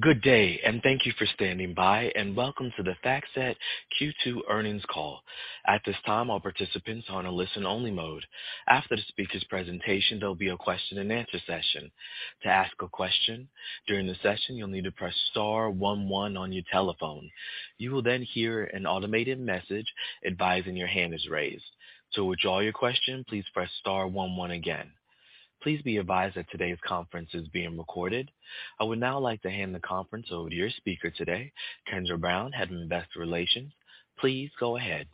Good day, and thank you for standing by, and welcome to the FactSet Q2 earnings call. At this time, all participants are on a listen-only mode. After the speaker's presentation, there'll be a question-and-answer session. To ask a question during the session, you'll need to press star 1 1 on your telephone. You will then hear an automated message advising your hand is raised. To withdraw your question, please press star 1 1 again. Please be advised that today's conference is being recorded. I would now like to hand the conference over to your speaker today, Kendra Brown, Head of Investor Relations. Please go ahead.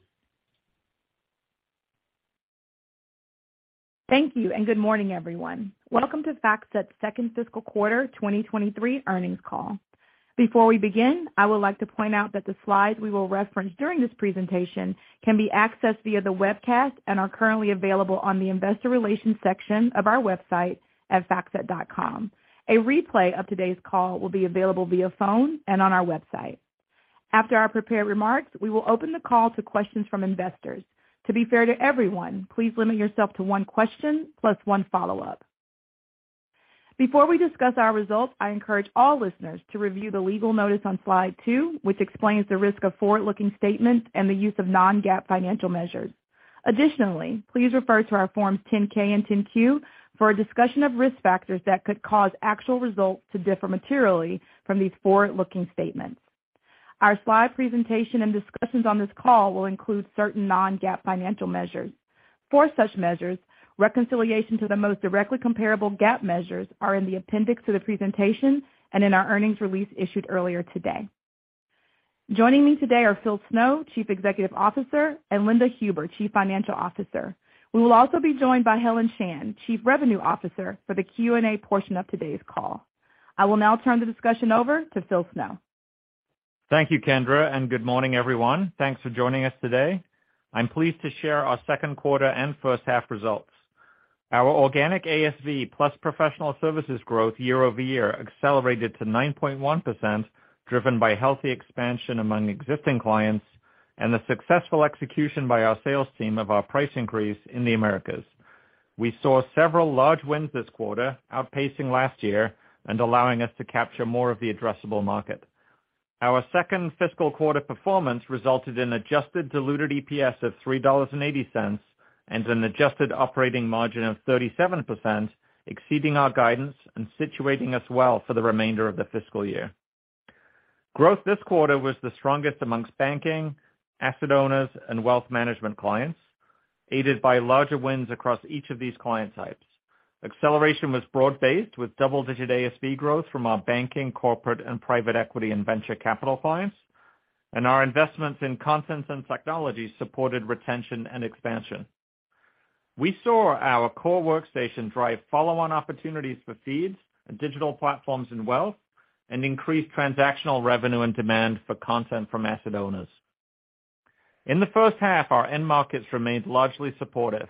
Thank you. Good morning, everyone. Welcome to FactSet's second fiscal quarter 2023 earnings call. Before we begin, I would like to point out that the slides we will reference during this presentation can be accessed via the webcast and are currently available on the investor relations section of our website at factset.com. A replay of today's call will be available via phone and on our website. After our prepared remarks, we will open the call to questions from investors. To be fair to everyone, please limit yourself to one question plus one follow-up. Before we discuss our results, I encourage all listeners to review the legal notice on slide 2, which explains the risk of forward-looking statements and the use of non-GAAP financial measures. Additionally, please refer to our forms 10-K and 10-Q for a discussion of risk factors that could cause actual results to differ materially from these forward-looking statements. Our slide presentation and discussions on this call will include certain non-GAAP financial measures. For such measures, reconciliation to the most directly comparable GAAP measures are in the appendix to the presentation and in our earnings release issued earlier today. Joining me today are Phil Snow, Chief Executive Officer, and Linda Huber, Chief Financial Officer. We will also be joined by Helen Shan, Chief Revenue Officer, for the Q&A portion of today's call. I will now turn the discussion over to Phil Snow. Thank you, Kendra, and good morning, everyone. Thanks for joining us today. I'm pleased to share our second quarter and first half results. Our organic ASV plus professional services growth year-over-year accelerated to 9.1%, driven by healthy expansion among existing clients and the successful execution by our sales team of our price increase in the Americas. We saw several large wins this quarter, outpacing last year and allowing us to capture more of the addressable market. Our second fiscal quarter performance resulted in adjusted diluted EPS of $3.80 and an adjusted operating margin of 37%, exceeding our guidance and situating us well for the remainder of the fiscal year. Growth this quarter was the strongest amongst banking, asset owners, and wealth management clients, aided by larger wins across each of these client types. Acceleration was broad-based, with double-digit ASV growth from our banking, corporate, and private equity and venture capital clients, and our investments in content and technology supported retention and expansion. We saw our core workstation drive follow-on opportunities for feeds and digital platforms in wealth and increased transactional revenue and demand for content from asset owners. In the first half, our end markets remained largely supportive.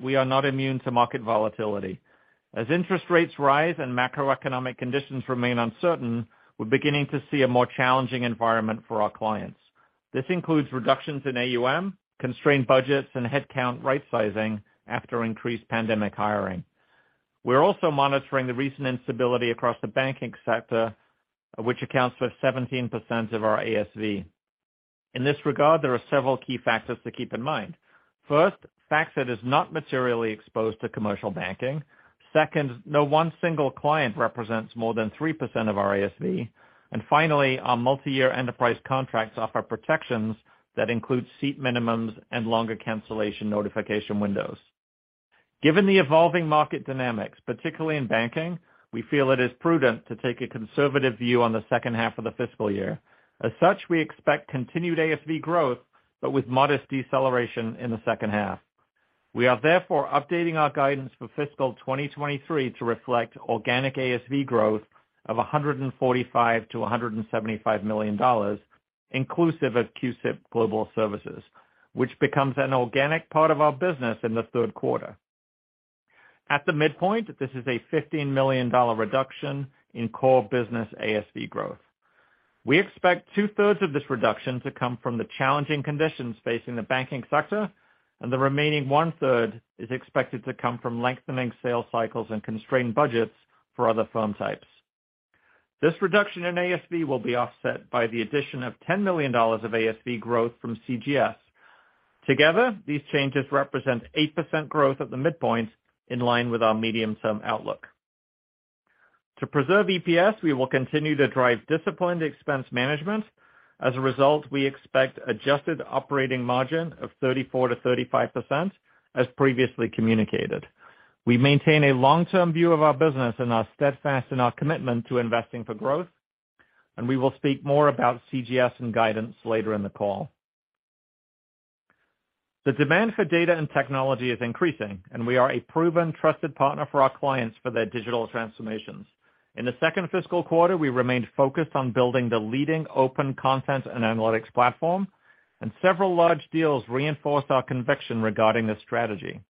We are not immune to market volatility. As interest rates rise and macroeconomic conditions remain uncertain, we're beginning to see a more challenging environment for our clients. This includes reductions in AUM, constrained budgets, and headcount rightsizing after increased pandemic hiring. We're also monitoring the recent instability across the banking sector, which accounts for 17% of our ASV. In this regard, there are several key factors to keep in mind. First, FactSet is not materially exposed to commercial banking. Second, no one single client represents more than 3% of our ASV. Finally, our multi-year enterprise contracts offer protections that include seat minimums and longer cancellation notification windows. Given the evolving market dynamics, particularly in banking, we feel it is prudent to take a conservative view on the second half of the fiscal year. As such, we expect continued ASV growth, but with modest deceleration in the second half. We are therefore updating our guidance for fiscal 2023 to reflect organic ASV growth of $145 million-$175 million, inclusive of CUSIP Global Services, which becomes an organic part of our business in the third quarter. At the midpoint, this is a $15 million reduction in core business ASV growth. We expect two-thirds of this reduction to come from the challenging conditions facing the banking sector, the remaining one-third is expected to come from lengthening sales cycles and constrained budgets for other firm types. This reduction in ASV will be offset by the addition of $10 million of ASV growth from CGS. Together, these changes represent 8% growth at the midpoint, in line with our medium-term outlook. To preserve EPS, we will continue to drive disciplined expense management. As a result, we expect adjusted operating margin of 34%-35%, as previously communicated. We maintain a long-term view of our business and are steadfast in our commitment to investing for growth, and we will speak more about CGS and guidance later in the call. The demand for data and technology is increasing, and we are a proven, trusted partner for our clients for their digital transformations. In the second fiscal quarter, we remained focused on building the leading open content and analytics platform, and several large deals reinforced our conviction regarding this strategy.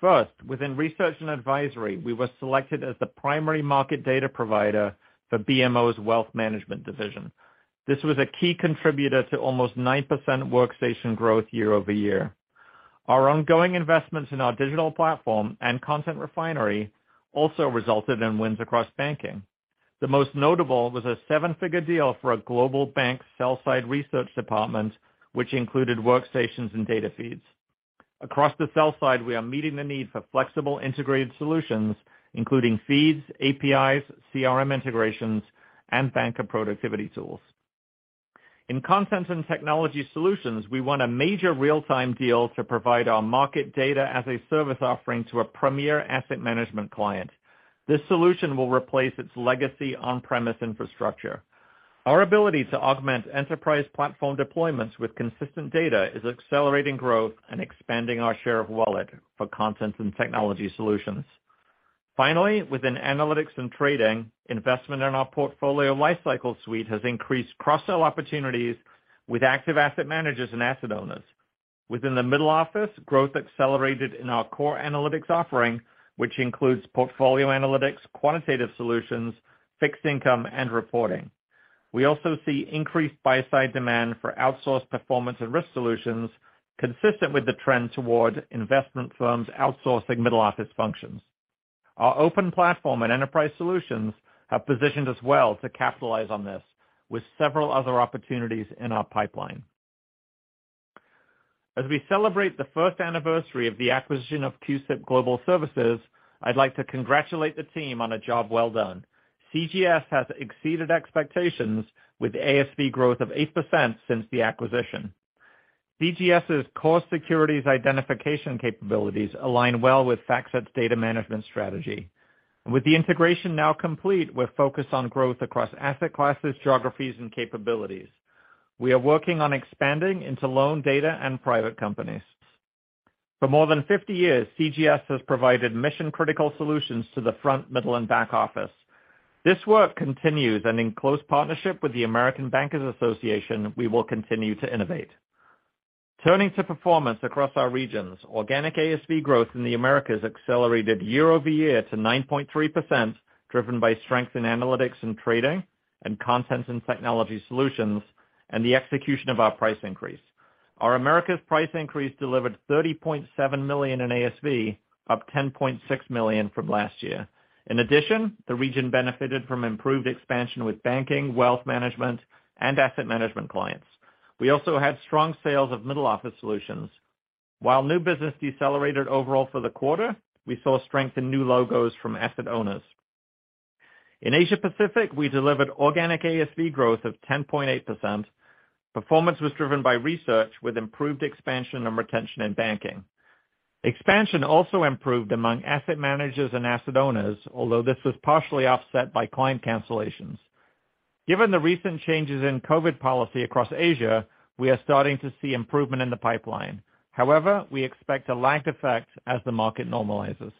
First, within research and advisory, we were selected as the primary market data provider for BMO's wealth management division. This was a key contributor to almost 9% workstation growth year-over-year. Our ongoing investments in our digital platform and Content Refinery also resulted in wins across banking. The most notable was a 7-figure deal for a global bank sell side research department, which included workstations and data feeds. Across the sell side, we are meeting the need for flexible integrated solutions, including feeds, APIs, CRM integrations, and banker productivity tools. In content and technology solutions, we won a major real-time deal to provide our market data-as-a-service offering to a premier asset management client. This solution will replace its legacy on-premise infrastructure. Our ability to augment enterprise platform deployments with consistent data is accelerating growth and expanding our share of wallet for content and technology solutions. Within analytics and trading, investment in our portfolio lifecycle suite has increased cross-sell opportunities with active asset managers and asset owners. Within the middle office, growth accelerated in our core analytics offering, which includes portfolio analytics, quantitative solutions, fixed income, and reporting. We also see increased buy-side demand for outsourced performance and risk solutions consistent with the trend toward investment firms outsourcing middle office functions. Our open platform and enterprise solutions have positioned us well to capitalize on this, with several other opportunities in our pipeline. As we celebrate the first anniversary of the acquisition of CUSIP Global Services, I'd like to congratulate the team on a job well done. CGS has exceeded expectations with ASV growth of 8% since the acquisition. CGS's core securities identification capabilities align well with FactSet's data management strategy. With the integration now complete, we're focused on growth across asset classes, geographies, and capabilities. We are working on expanding into loan data and private companies. For more than 50 years, CGS has provided mission-critical solutions to the front, middle, and back office. This work continues, in close partnership with the American Bankers Association, we will continue to innovate. Turning to performance across our regions, organic ASV growth in the Americas accelerated year-over-year to 9.3%, driven by strength in analytics and trading and content and technology solutions, and the execution of our price increase. Our America's price increase delivered $30.7 million in ASV, up $10.6 million from last year. In addition, the region benefited from improved expansion with banking, wealth management, and asset management clients. We also had strong sales of middle-office solutions. While new business decelerated overall for the quarter, we saw strength in new logos from asset owners. In Asia-Pacific, we delivered organic ASV growth of 10.8%. Performance was driven by research with improved expansion and retention in banking. Expansion also improved among asset managers and asset owners, although this was partially offset by client cancellations. Given the recent changes in COVID policy across Asia, we are starting to see improvement in the pipeline. We expect a lagged effect as the market normalizes.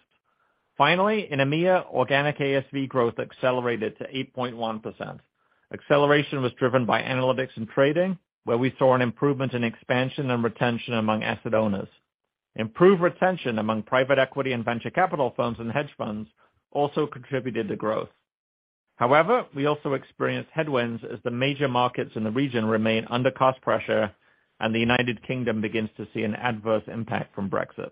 In EMEIA, organic ASV growth accelerated to 8.1%. Acceleration was driven by analytics and trading, where we saw an improvement in expansion and retention among asset owners. Improved retention among private equity and venture capital funds and hedge funds also contributed to growth. However, we also experienced headwinds as the major markets in the region remain under cost pressure and the United Kingdom begins to see an adverse impact from Brexit.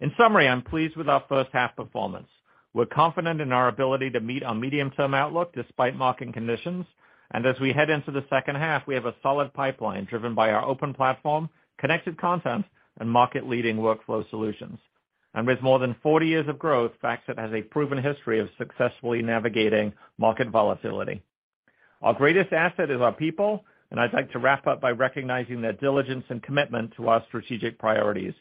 In summary, I'm pleased with our first half performance. We're confident in our ability to meet our medium-term outlook despite market conditions. As we head into the second half, we have a solid pipeline driven by our open platform, connected content, and market-leading workflow solutions. With more than 40 years of growth, FactSet has a proven history of successfully navigating market volatility. Our greatest asset is our people, and I'd like to wrap up by recognizing their diligence and commitment to our strategic priorities.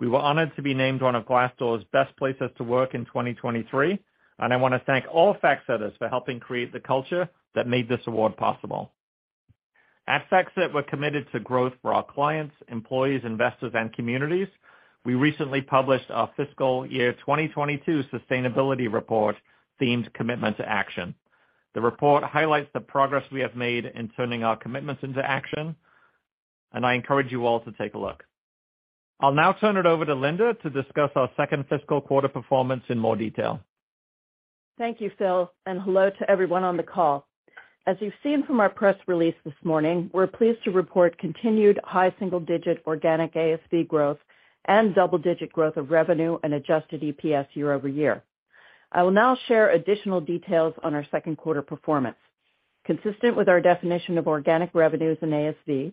We were honored to be named one of Glassdoor's Best Places to Work in 2023, and I want to thank all FactSetters for helping create the culture that made this award possible. At FactSet, we're committed to growth for our clients, employees, investors, and communities. We recently published our fiscal year 2022 sustainability report themed Commitment to Action. The report highlights the progress we have made in turning our commitments into action, I encourage you all to take a look. I'll now turn it over to Linda to discuss our second fiscal quarter performance in more detail. Thank you, Phil, and hello to everyone on the call. As you've seen from our press release this morning, we're pleased to report continued high single-digit organic ASV growth and double-digit growth of revenue and adjusted EPS year-over-year. I will now share additional details on our second quarter performance. Consistent with our definition of organic revenues in ASV,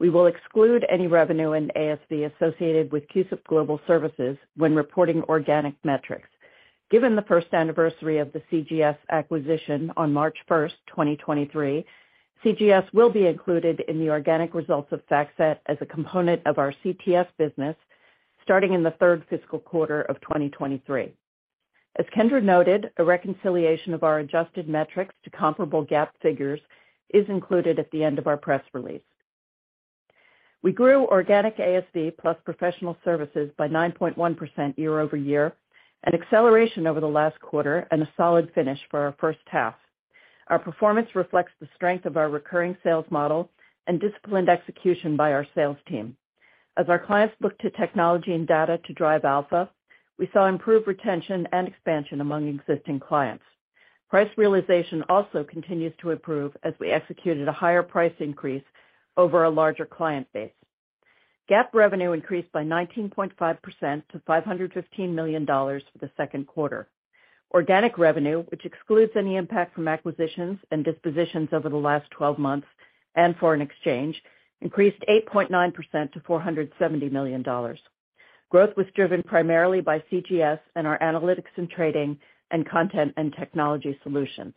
we will exclude any revenue in ASV associated with CUSIP Global Services when reporting organic metrics. Given the first anniversary of the CGS acquisition on March first, 2023, CGS will be included in the organic results of FactSet as a component of our CTS business starting in the third fiscal quarter of 2023. As Kendra noted, a reconciliation of our adjusted metrics to comparable GAAP figures is included at the end of our press release. We grew organic ASV plus professional services by 9.1% year-over-year, an acceleration over the last quarter, and a solid finish for our first half. Our performance reflects the strength of our recurring sales model and disciplined execution by our sales team. As our clients look to technology and data to drive Alpha, we saw improved retention and expansion among existing clients. Price realization also continues to improve as we executed a higher price increase over a larger client base. GAAP revenue increased by 19.5% to $515 million for the second quarter. Organic revenue, which excludes any impact from acquisitions and dispositions over the last 12 months and foreign exchange, increased 8.9% - $470 million. Growth was driven primarily by CGS and our analytics and trading and content and technology solutions.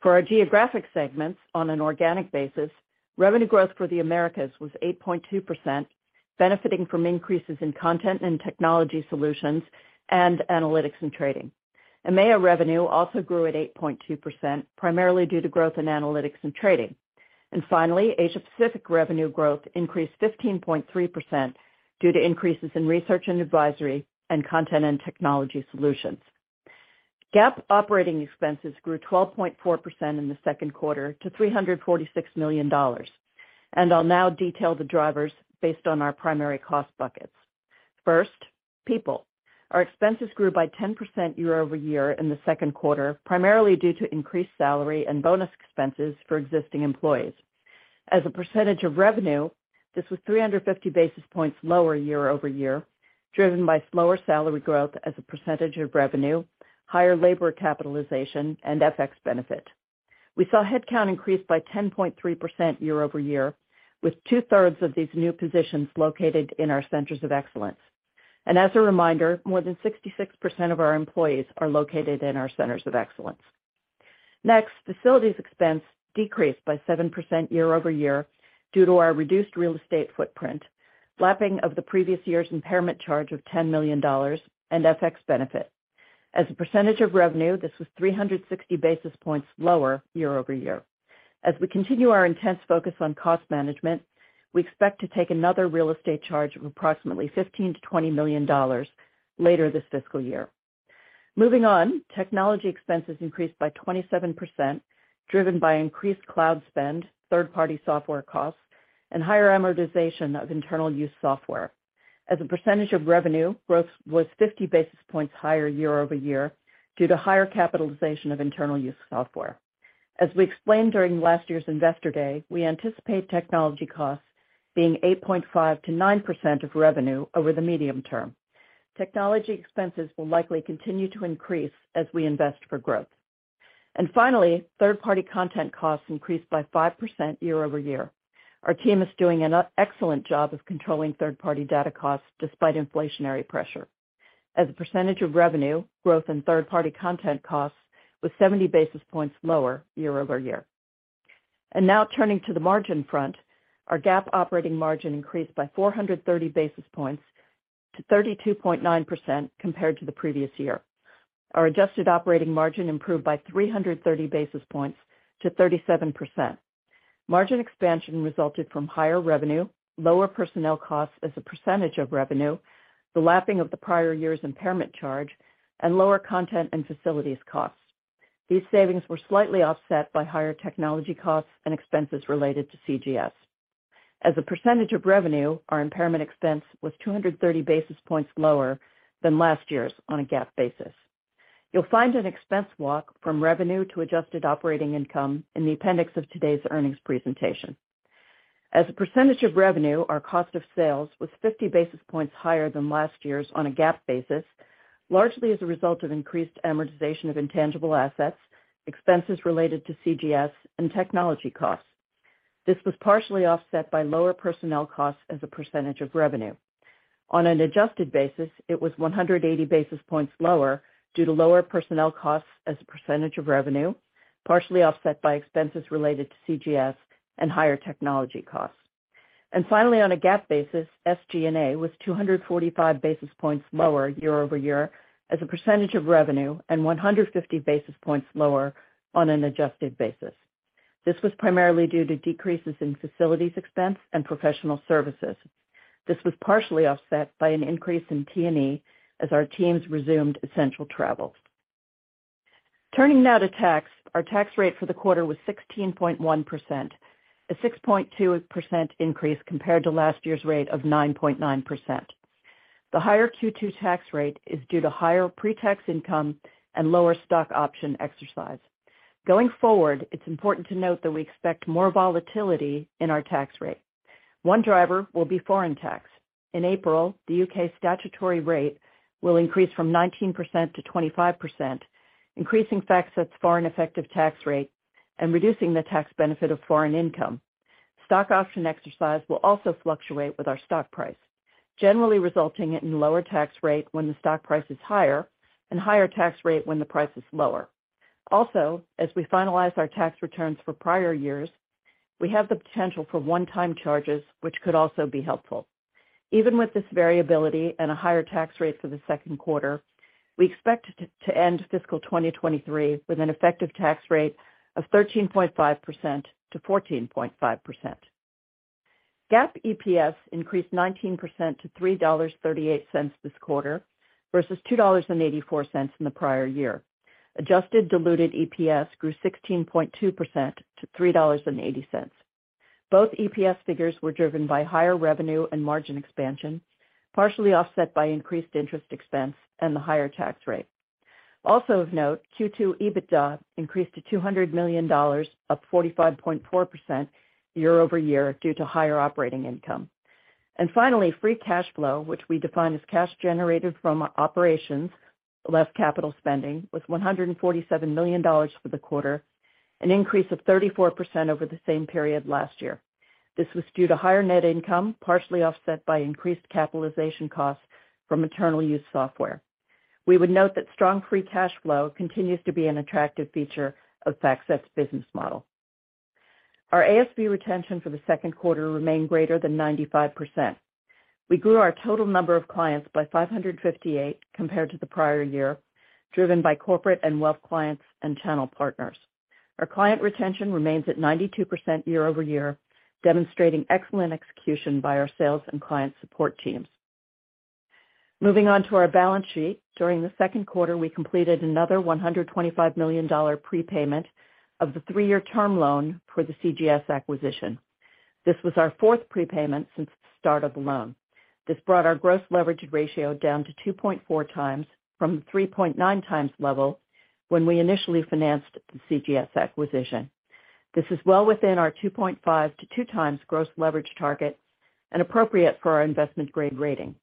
For our geographic segments, on an organic basis, revenue growth for the Americas was 8.2%, benefiting from increases in content and technology solutions and analytics and trading. EMEIA revenue also grew at 8.2%, primarily due to growth in analytics and trading. Finally, Asia-Pacific revenue growth increased 15.3% due to increases in research and advisory and content and technology solutions. GAAP operating expenses grew 12.4% in the second quarter to $346 million. I'll now detail the drivers based on our primary cost buckets. First, people. Our expenses grew by 10% year-over-year in the second quarter, primarily due to increased salary and bonus expenses for existing employees. As a percentage of revenue, this was 350 basis points lower year-over-year, driven by slower salary growth as a percentage of revenue, higher labor capitalization, and FX benefit. We saw headcount increase by 10.3% year-over-year, with two-thirds of these new positions located in our centers of excellence. As a reminder, more than 66% of our employees are located in our centers of excellence. Next, facilities expense decreased by 7% year-over-year due to our reduced real estate footprint, lapping of the previous year's impairment charge of $10 million and FX benefit. As a percentage of revenue, this was 360 basis points lower year-over-year. As we continue our intense focus on cost management, we expect to take another real estate charge of approximately $15 million-$20 million later this fiscal year. Moving on, technology expenses increased by 27%, driven by increased cloud spend, third-party software costs, and higher amortization of internal use software. As a percentage of revenue, growth was 50 basis points higher year-over-year due to higher capitalization of internal use software. As we explained during last year's Investor Day, we anticipate technology costs being 8.5%-9% of revenue over the medium term. Technology expenses will likely continue to increase as we invest for growth. Finally, third-party content costs increased by 5% year-over-year. Our team is doing an excellent job of controlling third-party data costs despite inflationary pressure. As a percentage of revenue, growth in third-party content costs was 70 basis points lower year-over-year. Now turning to the margin front. Our GAAP operating margin increased by 430 basis points to 32.9% compared to the previous year. Our adjusted operating margin improved by 330 basis points to 37%. Margin expansion resulted from higher revenue, lower personnel costs as a percentage of revenue, the lapping of the prior year's impairment charge, and lower content and facilities costs. These savings were slightly offset by higher technology costs and expenses related to CGS. As a percentage of revenue, our impairment expense was 230 basis points lower than last year's on a GAAP basis. You'll find an expense walk from revenue to adjusted operating income in the appendix of today's earnings presentation. As a percentage of revenue, our cost of sales was 50 basis points higher than last year's on a GAAP basis, largely as a result of increased amortization of intangible assets, expenses related to CGS, and technology costs. This was partially offset by lower personnel costs as a percentage of revenue. On an adjusted basis, it was 180 basis points lower due to lower personnel costs as a percentage of revenue, partially offset by expenses related to CGS and higher technology costs. Finally, on a GAAP basis, SG&A was 245 basis points lower year-over-year as a percentage of revenue and 150 basis points lower on an adjusted basis. This was primarily due to decreases in facilities expense and professional services. This was partially offset by an increase in T&E as our teams resumed essential travel. Turning now to tax. Our tax rate for the quarter was 16.1%, a 6.2% increase compared to last year's rate of 9.9%. The higher Q2 tax rate is due to higher pre-tax income and lower stock option exercise. It's important to note that we expect more volatility in our tax rate. One driver will be foreign tax. In April, the U.K. statutory rate will increase from 19%-25%, increasing FactSet's foreign effective tax rate and reducing the tax benefit of foreign income. Stock option exercise will also fluctuate with our stock price, generally resulting in lower tax rate when the stock price is higher and higher tax rate when the price is lower. As we finalize our tax returns for prior years, we have the potential for one-time charges which could also be helpful. Even with this variability and a higher tax rate for the second quarter, we expect to end fiscal 2023 with an effective tax rate of 13.5%-14.5%. GAAP EPS increased 19% to $3.38 this quarter versus $2.84 in the prior year. Adjusted diluted EPS grew 16.2% to $3.80. Both EPS figures were driven by higher revenue and margin expansion, partially offset by increased interest expense and the higher tax rate. Also of note, Q2 EBITDA increased to $200 million, up 45.4% year-over-year due to higher operating income. Finally, free cash flow, which we define as cash generated from operations less capital spending, was $147 million for the quarter, an increase of 34% over the same period last year. This was due to higher net income, partially offset by increased capitalization costs from internal use software. We would note that strong free cash flow continues to be an attractive feature of FactSet's business model. Our ASV retention for the second quarter remained greater than 95%. We grew our total number of clients by 558 compared to the prior year, driven by corporate and wealth clients and channel partners. Our client retention remains at 92% year-over-year, demonstrating excellent execution by our sales and client support teams. Moving on to our balance sheet. During the second quarter, we completed another $125 million prepayment of the 3-year term loan for the CGS acquisition. This was our fourth prepayment since the start of the loan. This brought our gross leverage ratio down to 2.4x from 3.9x level when we initially financed the CGS acquisition. This is well within our 2.5x-2x gross leverage target and appropriate for our investment-grade rating.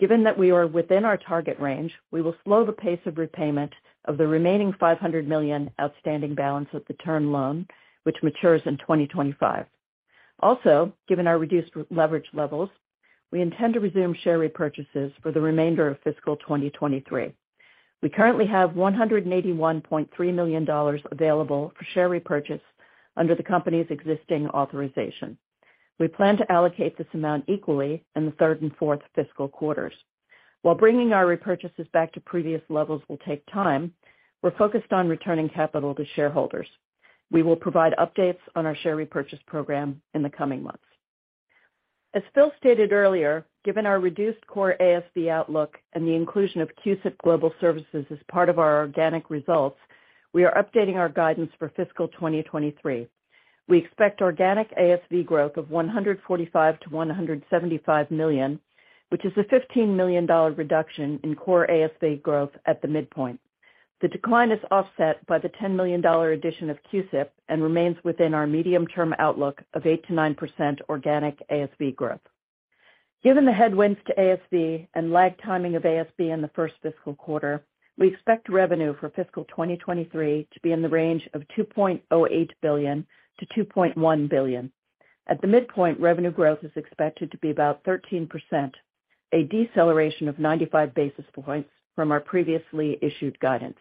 Given that we are within our target range, we will slow the pace of repayment of the remaining $500 million outstanding balance of the term loan, which matures in 2025. Given our reduced leverage levels, we intend to resume share repurchases for the remainder of fiscal 2023. We currently have $181.3 million available for share repurchase under the company's existing authorization. We plan to allocate this amount equally in the third and fourth fiscal quarters. While bringing our repurchases back to previous levels will take time, we're focused on returning capital to shareholders. We will provide updates on our share repurchase program in the coming months. As Phil stated earlier, given our reduced core ASV outlook and the inclusion of CUSIP Global Services as part of our organic results, we are updating our guidance for fiscal 2023. We expect organic ASV growth of $145 million-$175 million, which is a $15 million reduction in core ASV growth at the midpoint. The decline is offset by the $10 million addition of CUSIP and remains within our medium-term outlook of 8%-9% organic ASV growth. Given the headwinds to ASV and lag timing of ASV in the first fiscal quarter, we expect revenue for fiscal 2023 to be in the range of $2.08 billion-$2.1 billion. At the midpoint, revenue growth is expected to be about 13%, a deceleration of 95 basis points from our previously issued guidance.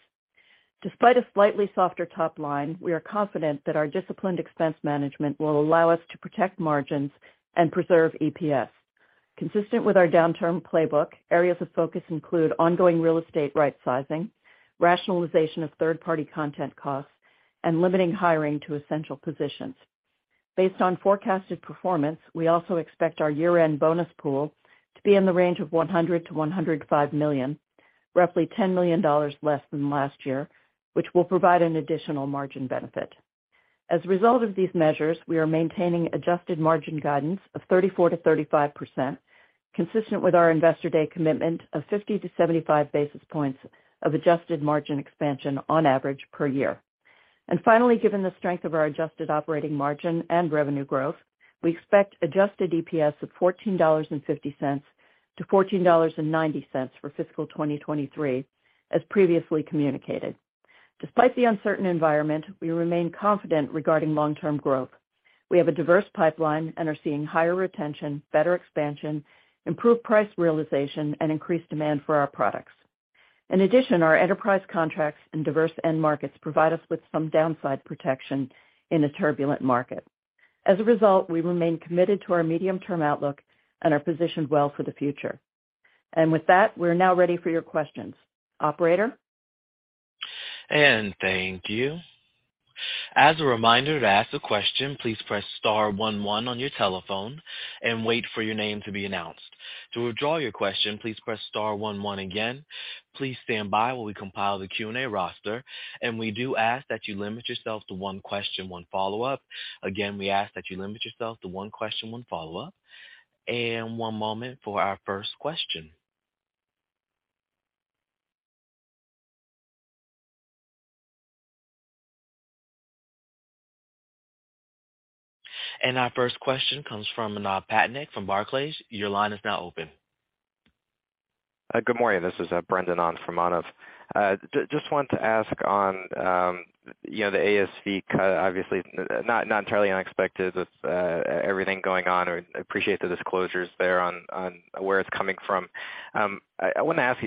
Despite a slightly softer top line, we are confident that our disciplined expense management will allow us to protect margins and preserve EPS. Consistent with our downturn playbook, areas of focus include ongoing real estate rightsizing, rationalization of third-party content costs, and limiting hiring to essential positions. Based on forecasted performance, we also expect our year-end bonus pool to be in the range of $100 million-$105 million, roughly $10 million less than last year, which will provide an additional margin benefit. As a result of these measures, we are maintaining adjusted margin guidance of 34%-35%, consistent with our Investor Day commitment of 50 to 75 basis points of adjusted margin expansion on average per year. Finally, given the strength of our adjusted operating margin and revenue growth, we expect adjusted EPS of $14.50-$14.90 for fiscal 2023, as previously communicated. Despite the uncertain environment, we remain confident regarding long-term growth. We have a diverse pipeline and are seeing higher retention, better expansion, improved price realization and increased demand for our products. In addition, our enterprise contracts and diverse end markets provide us with some downside protection in a turbulent market. As a result, we remain committed to our medium-term outlook and are positioned well for the future. With that, we're now ready for your questions. Operator? Thank you. As a reminder, to ask a question, please press star 11 on your telephone and wait for your name to be announced. To withdraw your question, please press star 11 again. Please stand by while we compile the Q&A roster. We do ask that you limit yourself to one question, one follow-up. Again, we ask that you limit yourself to one question, one follow-up. One moment for our first question. Our first question comes from Brendan Popson from Barclays. Your line is now open. Good morning. This is Brendan on from Ana. Just wanted to ask on, you know, the ASV cut, obviously not entirely unexpected with everything going on. I appreciate the disclosures there on where it's coming from. I wanna ask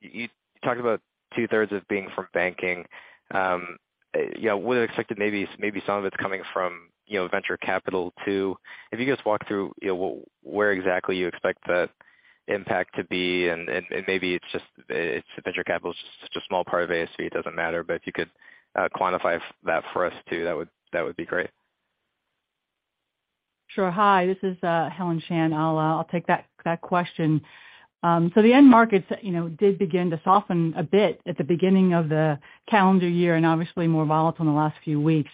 you talked about two-thirds as being from banking. you know, would expect that maybe some of it's coming from, you know, venture capital too. If you could just walk through, you know, where exactly you expect the impact to be and maybe it's just the venture capital is just such a small part of ASV, it doesn't matter. If you could quantify that for us too, that would be great. Sure. Hi, this is Helen Shan. I'll take that question. The end markets, you know, did begin to soften a bit at the beginning of the calendar year and obviously more volatile in the last few weeks.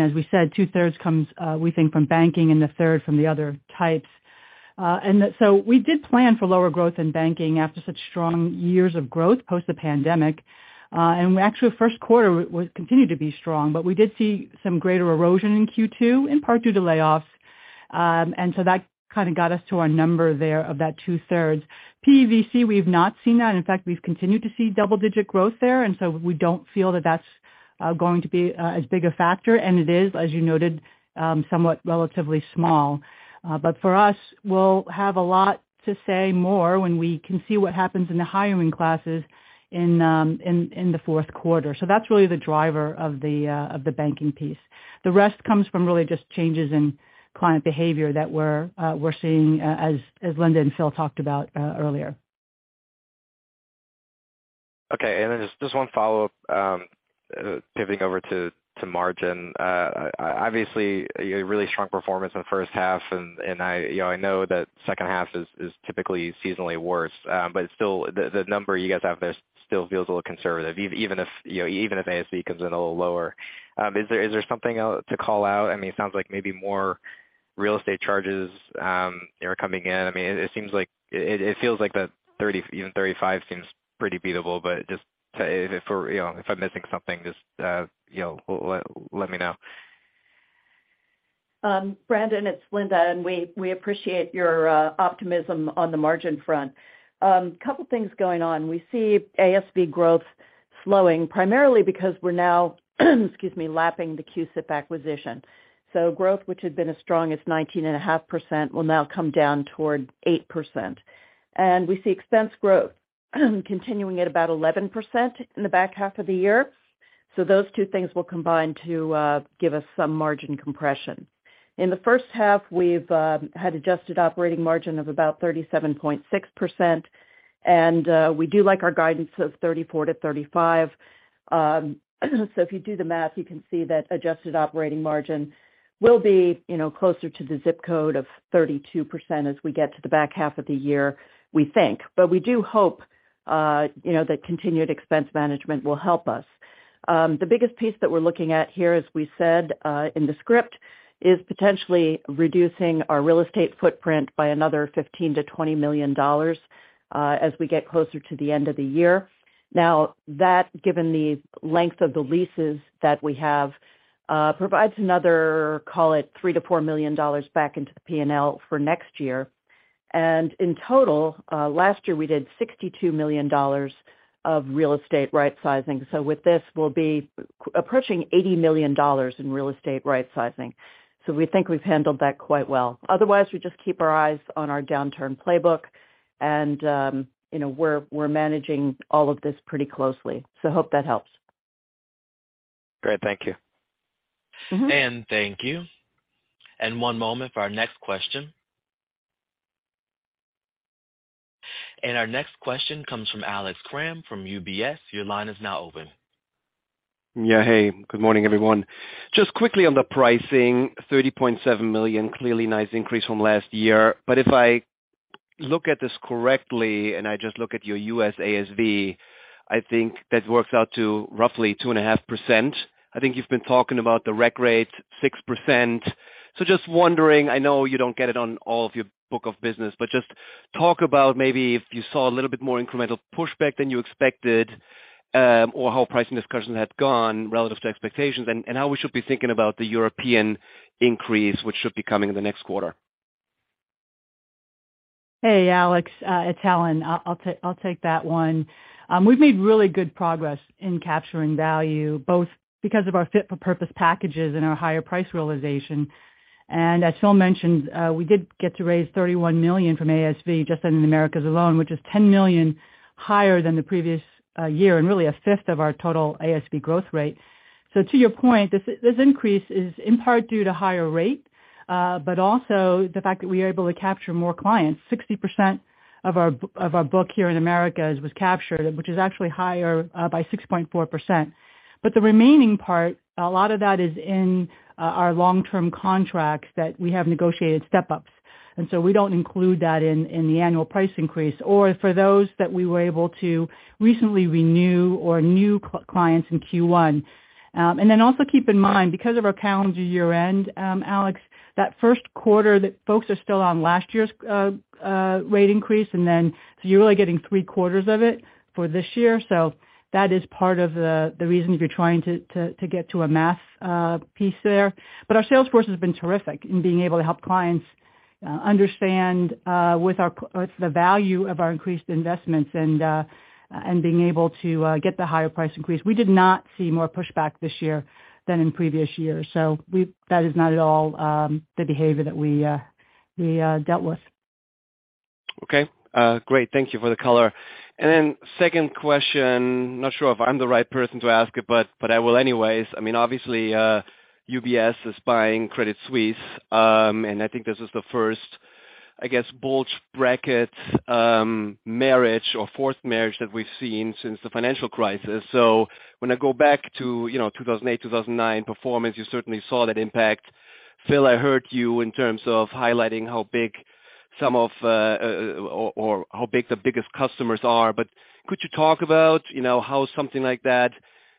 As we said, 2/3 comes, we think from banking and 1/3 from the other types. We did plan for lower growth in banking after such strong years of growth post the pandemic. Actually, 1st quarter was continued to be strong, but we did see some greater erosion in Q2, in part due to layoffs. That kind of got us to our number there of that 2/3. PEVC, we've not seen that. In fact, we've continued to see double-digit growth there. We don't feel that that's going to be as big a factor. It is, as you noted, somewhat relatively small. For us, we'll have a lot to say more when we can see what happens in the hiring classes in the fourth quarter. That's really the driver of the banking piece. The rest comes from really just changes in client behavior that we're seeing as Linda Huber and Phil Snow talked about, earlier. Okay. Then just one follow-up, pivoting over to margin. Obviously a really strong performance in the first half, and I, you know, I know that second half is typically seasonally worse. Still the number you guys have there still feels a little conservative, even if, you know, even if ASV comes in a little lower. Is there something to call out? I mean, it sounds like maybe more real estate charges are coming in. I mean, it feels like the 30%, even 35% seems pretty beatable, but just if we're, you know, if I'm missing something, just, you know, let me know. Brendan, it's Linda Huber, we appreciate your optimism on the margin front. Couple things going on. We see ASV growth slowing primarily because we're now, excuse me, lapping the CUSIP acquisition. Growth, which had been as strong as 19.5%, will now come down toward 8%. We see expense growth continuing at about 11% in the back half of the year. Those two things will combine to give us some margin compression. In the first half, we've had adjusted operating margin of about 37.6%, we do like our guidance of 34%-35%. If you do the math, you can see that adjusted operating margin will be, you know, closer to the ZIP Code of 32% as we get to the back half of the year, we think. We do hope, you know, that continued expense management will help us. The biggest piece that we're looking at here, as we said in the script, is potentially reducing our real estate footprint by another $15 million-$20 million as we get closer to the end of the year. Now that, given the length of the leases that we have, provides another, call it $3 million-$4 million back into the P&L for next year. In total, last year, we did $62 million of real estate rightsizing. With this, we'll be approaching $80 million in real estate rightsizing. We think we've handled that quite well. Otherwise, we just keep our eyes on our downturn playbook. You know, we're managing all of this pretty closely. Hope that helps. Great. Thank you. Thank you. One moment for our next question. Our next question comes from Alex Kramm from UBS. Your line is now open. Yeah. Hey, good morning, everyone. Just quickly on the pricing, $30.7 million, clearly nice increase from last year. If I look at this correctly, and I just look at your U.S. ASV, I think that works out to roughly 2.5%. I think you've been talking about the rec rate 6%. Just wondering, I know you don't get it on all of your book of business, but just talk about maybe if you saw a little bit more incremental pushback than you expected, or how pricing discussions had gone relative to expectations, and how we should be thinking about the European increase, which should be coming in the next quarter. Hey, Alex. It's Helen. I'll take, I'll take that one. We've made really good progress in capturing value, both because of our fit for purpose packages and our higher price realization. As Phil mentioned, we did get to raise $31 million from ASV just in Americas alone, which is $10 million higher than the previous year and really a fifth of our total ASV growth rate. To your point, this increase is in part due to higher rate, but also the fact that we are able to capture more clients. 60% of our of our book here in Americas was captured, which is actually higher by 6.4%. The remaining part, a lot of that is in our long-term contracts that we have negotiated step-ups. We don't include that in the annual price increase or for those that we were able to recently renew or new clients in Q1. Also keep in mind, because of our calendar year end, Alex, that first quarter that folks are still on last year's rate increase, so you're really getting 3 quarters of it for this year. That is part of the reason if you're trying to get to a math piece there. Our sales force has been terrific in being able to help clients understand with our the value of our increased investments and being able to get the higher price increase. We did not see more pushback this year than in previous years. That is not at all the behavior that we dealt with. Okay. Great. Thank you for the color. Second question, not sure if I'm the right person to ask it, but I will anyways. I mean, obviously, UBS is buying Credit Suisse. I think this is the first, I guess, bulge bracket, marriage or forced marriage that we've seen since the financial crisis. When I go back to, you know, 2008, 2009 performance, you certainly saw that impact. Phil, I heard you in terms of highlighting how big some of, or how big the biggest customers are. Could you talk about, you know, how something like that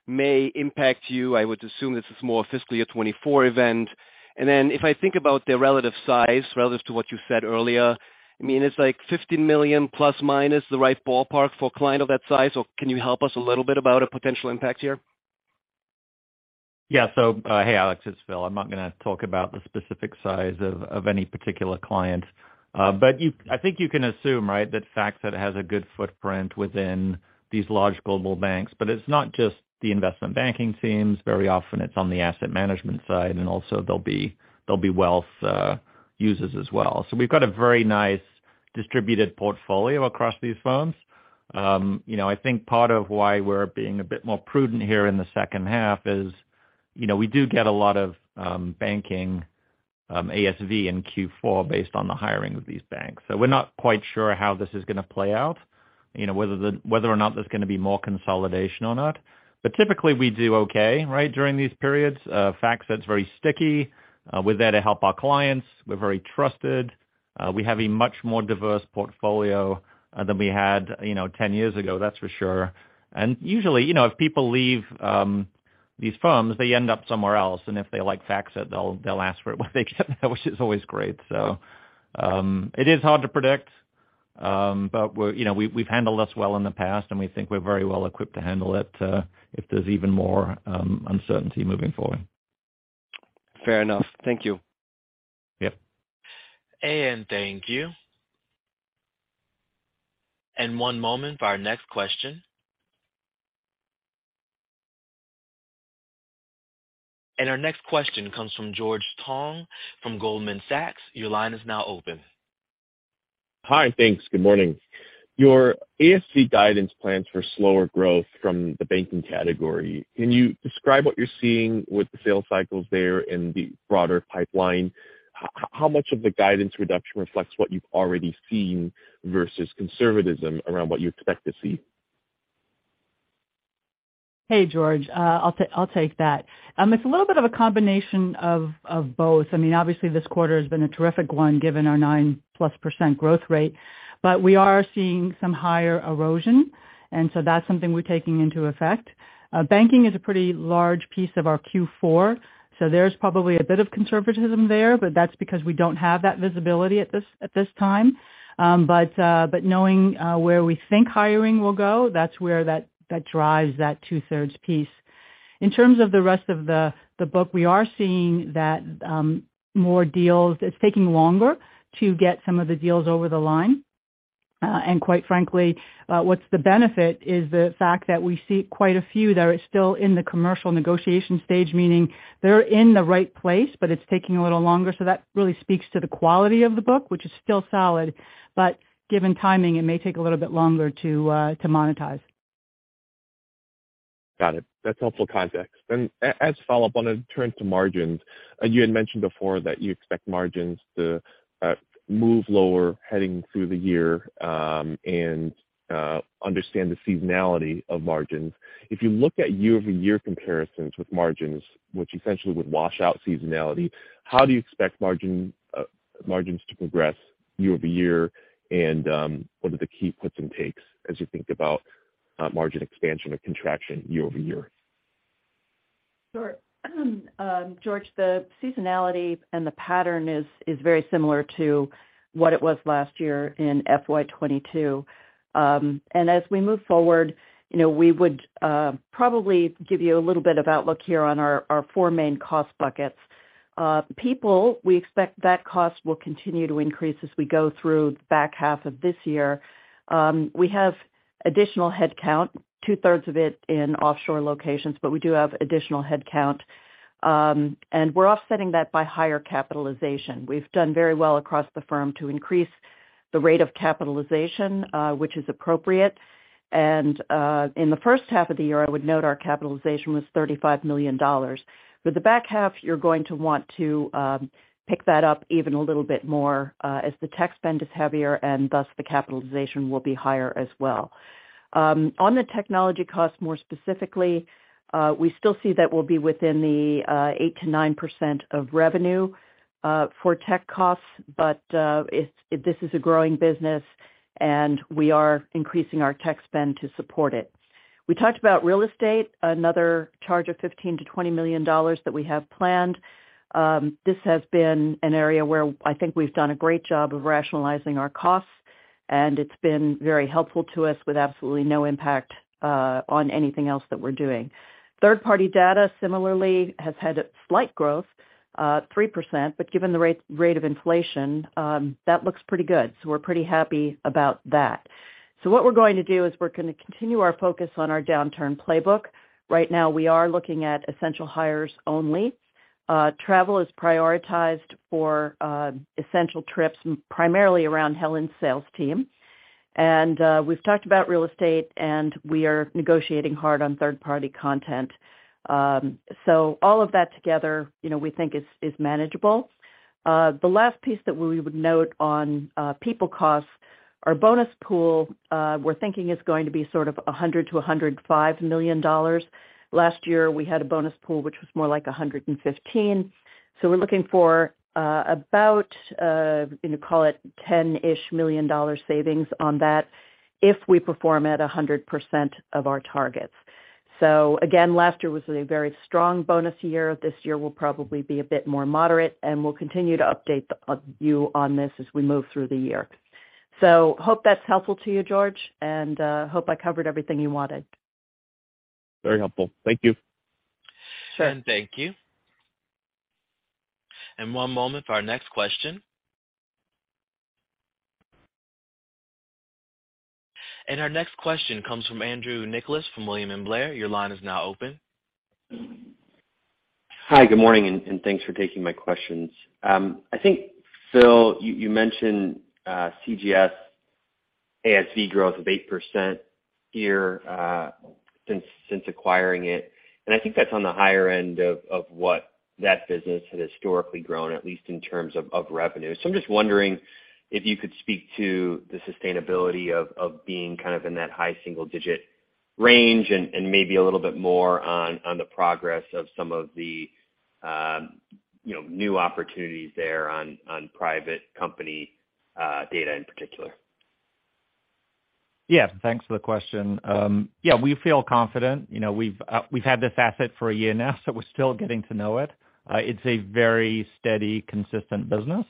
may impact you? I would assume this is more fiscal year 2024 event. If I think about the relative size, relative to what you said earlier, I mean, it's like $50 million plus minus the right ballpark for a client of that size. Can you help us a little bit about a potential impact here? Hey, Alex, it's Phil. I'm not gonna talk about the specific size of any particular client. I think you can assume, right, that FactSet has a good footprint within these large global banks. It's not just the investment banking teams. Very often, it's on the asset management side, and also there'll be wealth users as well. We've got a very nice distributed portfolio across these firms. You know, I think part of why we're being a bit more prudent here in the second half is, you know, we do get a lot of banking ASV in Q4 based on the hiring of these banks. We're not quite sure how this is gonna play out, you know, whether or not there's gonna be more consolidation or not. Typically, we do okay, right, during these periods. FactSet is very sticky. We're there to help our clients. We're very trusted. We have a much more diverse portfolio than we had, you know, 10 years ago, that's for sure. Usually, you know, if people leave, these firms, they end up somewhere else. If they like FactSet, they'll ask for it when they get there, which is always great. It is hard to predict, but we're, you know, we've handled this well in the past, and we think we're very well equipped to handle it, if there's even more uncertainty moving forward. Fair enough. Thank you. Yep. AN, thank you. One moment for our next question. Our next question comes from George Tong from Goldman Sachs. Your line is now open. Hi. Thanks. Good morning. Your ASV guidance plans for slower growth from the banking category, can you describe what you're seeing with the sales cycles there in the broader pipeline? How much of the guidance reduction reflects what you've already seen versus conservatism around what you expect to see? Hey, George. I'll take that. It's a little bit of a combination of both. I mean, obviously, this quarter has been a terrific one given our 9+% growth rate. We are seeing some higher erosion, that's something we're taking into effect. Banking is a pretty large piece of our Q4, there's probably a bit of conservatism there, that's because we don't have that visibility at this time. Knowing where we think hiring will go, that's where that drives that two-thirds piece. In terms of the rest of the book, we are seeing that more deals. It's taking longer to get some of the deals over the line. Quite frankly, what's the benefit is the fact that we see quite a few that are still in the commercial negotiation stage. Meaning they're in the right place, but it's taking a little longer. That really speaks to the quality of the book, which is still solid, but given timing, it may take a little bit longer to monetize. Got it. That's helpful context. As follow-up, I wanna turn to margins. You had mentioned before that you expect margins to move lower heading through the year, and understand the seasonality of margins. If you look at year-over-year comparisons with margins, which essentially would wash out seasonality, how do you expect margins to progress year over year? What are the key puts and takes as you think about margin expansion or contraction year over year? Sure. George, the seasonality and the pattern is very similar to what it was last year in FY 2022. As we move forward, you know, we would probably give you a little bit of outlook here on our four main cost buckets. People, we expect that cost will continue to increase as we go through the back half of this year. We have additional headcount, two-thirds of it in offshore locations, but we do have additional headcount. We're offsetting that by higher capitalization. We've done very well across the firm to increase the rate of capitalization, which is appropriate. In the first half of the year, I would note our capitalization was $35 million. For the back half, you're going to want to pick that up even a little bit more, as the tech spend is heavier, thus the capitalization will be higher as well. On the technology cost, more specifically, we still see that we'll be within the 8%-9% of revenue for tech costs. This is a growing business, and we are increasing our tech spend to support it. We talked about real estate, another charge of $15 million-$20 million that we have planned. This has been an area where I think we've done a great job of rationalizing our costs, and it's been very helpful to us with absolutely no impact on anything else that we're doing. Third-party data similarly has had a slight growth, 3%, but given the rate of inflation, that looks pretty good. We're pretty happy about that. What we're going to do is we're gonna continue our focus on our downturn playbook. Right now, we are looking at essential hires only. Travel is prioritized for essential trips, primarily around Helen's sales team. We've talked about real estate, and we are negotiating hard on third-party content. All of that together, you know, we think is manageable. The last piece that we would note on people costs. Our bonus pool, we're thinking is going to be sort of $100 million-$105 million. Last year, we had a bonus pool which was more like $115 million. We're looking for, about, call it $10-ish million savings on that if we perform at 100% of our targets. Again, last year was a very strong bonus year. This year will probably be a bit more moderate, and we'll continue to update you on this as we move through the year. Hope that's helpful to you, George, and hope I covered everything you wanted. Very helpful. Thank you. Sure. Thank you. One moment for our next question. Our next question comes from Andrew Nicholas from William Blair. Your line is now open. Hi, good morning, and thanks for taking my questions. I think, Phil, you mentioned CGS ASV growth of 8% year since acquiring it, and I think that's on the higher end of what that business had historically grown, at least in terms of revenue. I'm just wondering if you could speak to the sustainability of being kind of in that high single-digit range and maybe a little bit more on the progress of some of the, you know, new opportunities there on private company data in particular. Thanks for the question. We feel confident. You know, we've had this asset for a year now, so we're still getting to know it. It's a very steady, consistent business.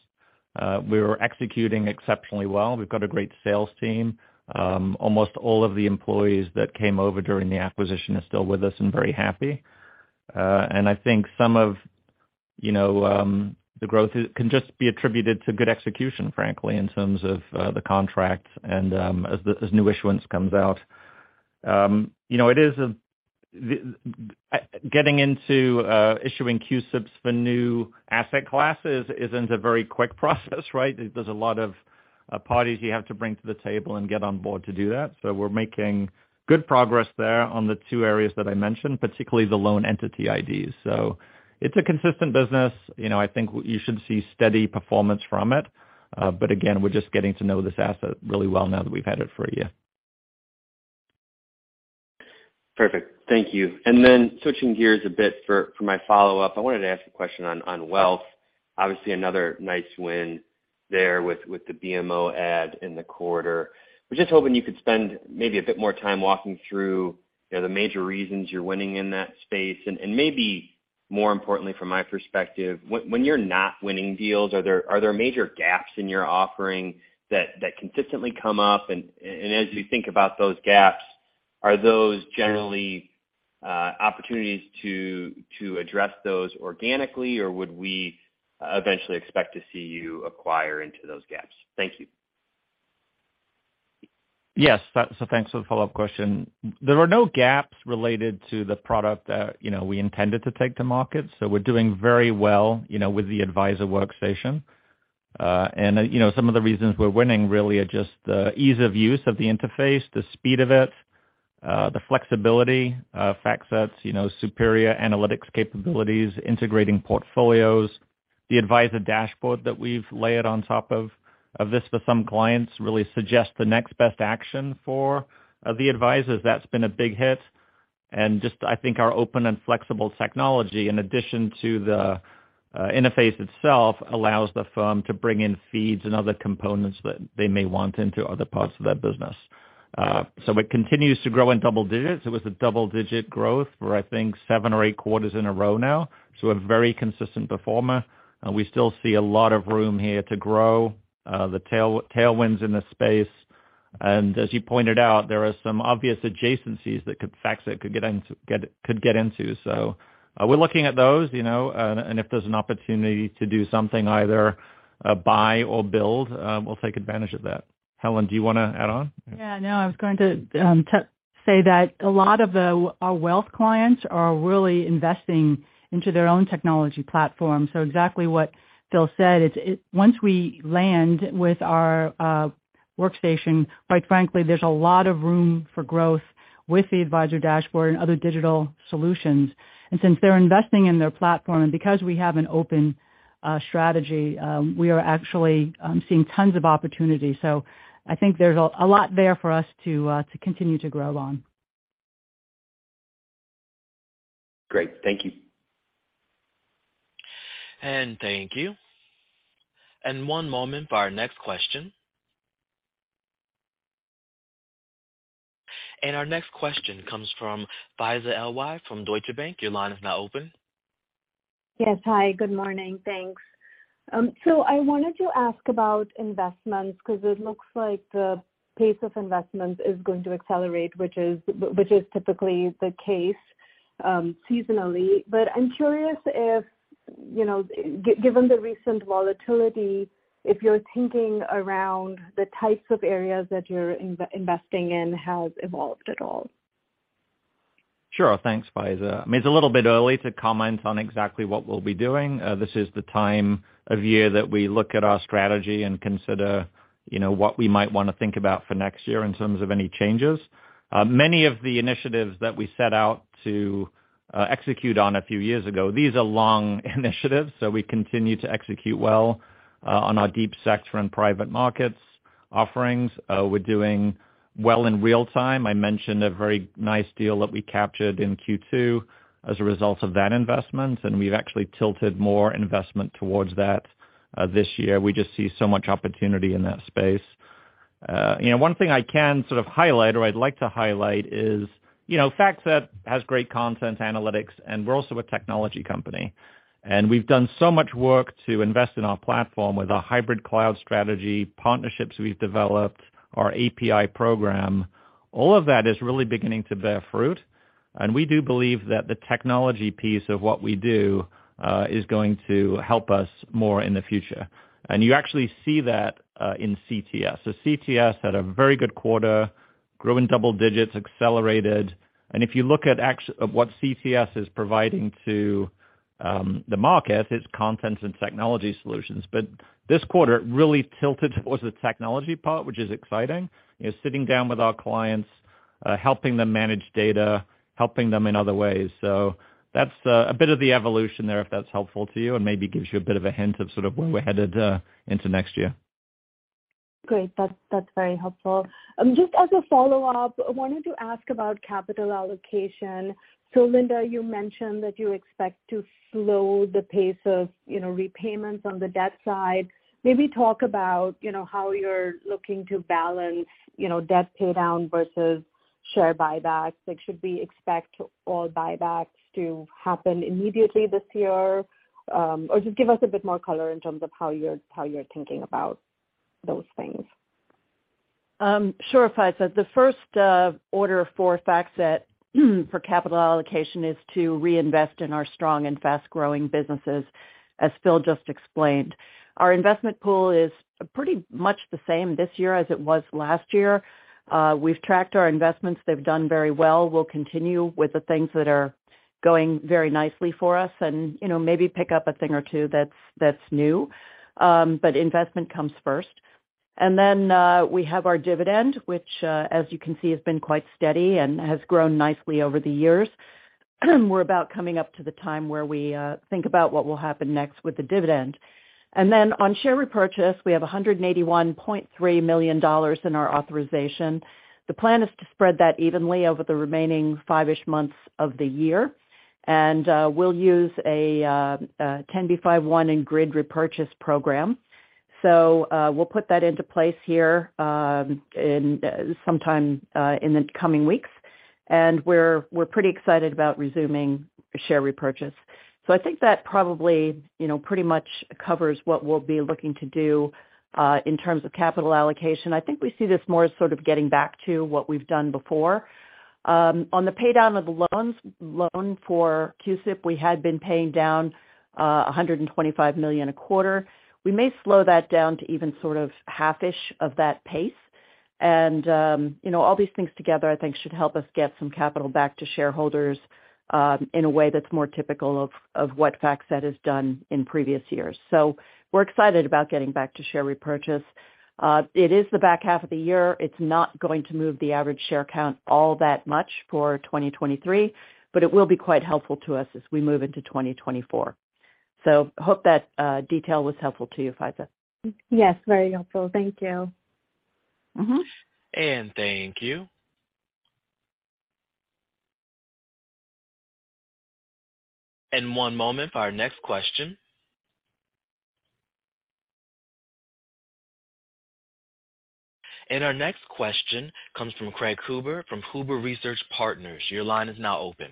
We were executing exceptionally well. We've got a great sales team. Almost all of the employees that came over during the acquisition are still with us and very happy. I think some of, you know, the growth can just be attributed to good execution, frankly, in terms of the contracts and as new issuance comes out. You know, getting into issuing CUSIPs for new asset classes isn't a very quick process, right? There's a lot of parties you have to bring to the table and get on board to do that. We're making good progress there on the two areas that I mentioned, particularly the loan entity IDs. It's a consistent business. You know, I think you should see steady performance from it. But again, we're just getting to know this asset really well now that we've had it for a year. Perfect. Thank you. Then switching gears a bit for my follow-up. I wanted to ask a question on wealth. Obviously another nice win there with the BMO ad in the quarter. Was just hoping you could spend maybe a bit more time walking through, you know, the major reasons you're winning in that space. Maybe more importantly from my perspective, when you're not winning deals, are there major gaps in your offering that consistently come up? As you think about those gaps, are those generally opportunities to address those organically, or would we eventually expect to see you acquire into those gaps? Thank you. Yes. Thanks for the follow-up question. There are no gaps related to the product that, you know, we intended to take to market, so we're doing very well, you know, with the advisor workstation. You know, some of the reasons we're winning really are just the ease of use of the interface, the speed of it, the flexibility of FactSet's, you know, superior analytics capabilities, integrating portfolios. The Advisor Dashboard that we've layered on top of this for some clients really suggests the next best action for the advisors. That's been a big hit. Just, I think, our open and flexible technology, in addition to the interface itself, allows the firm to bring in feeds and other components that they may want into other parts of their business. It continues to grow in double digits. It was a double-digit growth for, I think, 7 or 8 quarters in a row now, so a very consistent performer. We still see a lot of room here to grow the tailwinds in this space. As you pointed out, there are some obvious adjacencies that FactSet could get into, could get into. We're looking at those, you know, and if there's an opportunity to do something, either buy or build, we'll take advantage of that. Helen, do you wanna add on? Yeah, no, I was going to say that a lot of our wealth clients are really investing into their own technology platform. Exactly what Phil said. Once we land with our workstation, quite frankly, there's a lot of room for growth with the Advisor Dashboard and other digital solutions. Since they're investing in their platform and because we have an open strategy, we are actually seeing tons of opportunities. I think there's a lot there for us to continue to grow on. Great. Thank you. Thank you. One moment for our next question. Our next question comes from Faiza Alwy from Deutsche Bank. Your line is now open. Yes. Hi, good morning. Thanks. I wanted to ask about investments because it looks like the pace of investments is going to accelerate, which is typically the case, seasonally. But I'm curious if, you know, given the recent volatility, if your thinking around the types of areas that you're investing in has evolved at all? Sure. Thanks, Faiza. I mean, it's a little bit early to comment on exactly what we'll be doing. This is the time of year that we look at our strategy and consider, you know, what we might wanna think about for next year in terms of any changes. Many of the initiatives that we set out to execute on a few years ago, these are long initiatives, so we continue to execute well on our Deep Sector and private markets offerings. We're doing well in real time. I mentioned a very nice deal that we captured in Q2 as a result of that investment, and we've actually tilted more investment towards that this year. We just see so much opportunity in that space. You know, one thing I can sort of highlight or I'd like to highlight is, you know, FactSet has great content analytics, and we're also a technology company. We've done so much work to invest in our platform with a hybrid cloud strategy, partnerships we've developed, our API program, all of that is really beginning to bear fruit. We do believe that the technology piece of what we do is going to help us more in the future. You actually see that in CTS. CTS had a very good quarter, grew in double digits, accelerated. If you look at of what CTS is providing to the market, it's content and technology solutions. This quarter it really tilted towards the technology part, which is exciting. You know, sitting down with our clients, helping them manage data, helping them in other ways. That's a bit of the evolution there, if that's helpful to you and maybe gives you a bit of a hint of sort of where we're headed, into next year. Great. That's very helpful. Just as a follow-up, I wanted to ask about capital allocation. Linda, you mentioned that you expect to slow the pace of, you know, repayments on the debt side. Maybe talk about, you know, how you're looking to balance, you know, debt pay down versus share buybacks. Like, should we expect all buybacks to happen immediately this year? Just give us a bit more color in terms of how you're thinking about those things. Sure, Faiza. The first order for FactSet for capital allocation is to reinvest in our strong and fast-growing businesses, as Phil just explained. Our investment pool is pretty much the same this year as it was last year. We've tracked our investments. They've done very well. We'll continue with the things that are going very nicely for us and, you know, maybe pick up a thing or two that's new. Investment comes first. We have our dividend, which, as you can see, has been quite steady and has grown nicely over the years. We're about coming up to the time where we think about what will happen next with the dividend. On share repurchase, we have $181.3 million in our authorization. The plan is to spread that evenly over the remaining five-ish months of the year. we'll use a Rule 10b5-1 in grid repurchase program. we'll put that into place here in sometime in the coming weeks. We're pretty excited about resuming share repurchase. I think that probably, you know, pretty much covers what we'll be looking to do in terms of capital allocation. I think we see this more as sort of getting back to what we've done before. On the pay down of the loan for CUSIP, we had been paying down $125 million a quarter. We may slow that down to even sort of half-ish of that pace. You know, all these things together, I think should help us get some capital back to shareholders, in a way that's more typical of what FactSet has done in previous years. We're excited about getting back to share repurchase. It is the back half of the year. It's not going to move the average share count all that much for 2023, but it will be quite helpful to us as we move into 2024. Hope that, detail was helpful to you, Faiza. Yes, very helpful. Thank you. Mm-hmm. Thank you. One moment for our next question. Our next question comes from Craig Huber from Huber Research Partners. Your line is now open.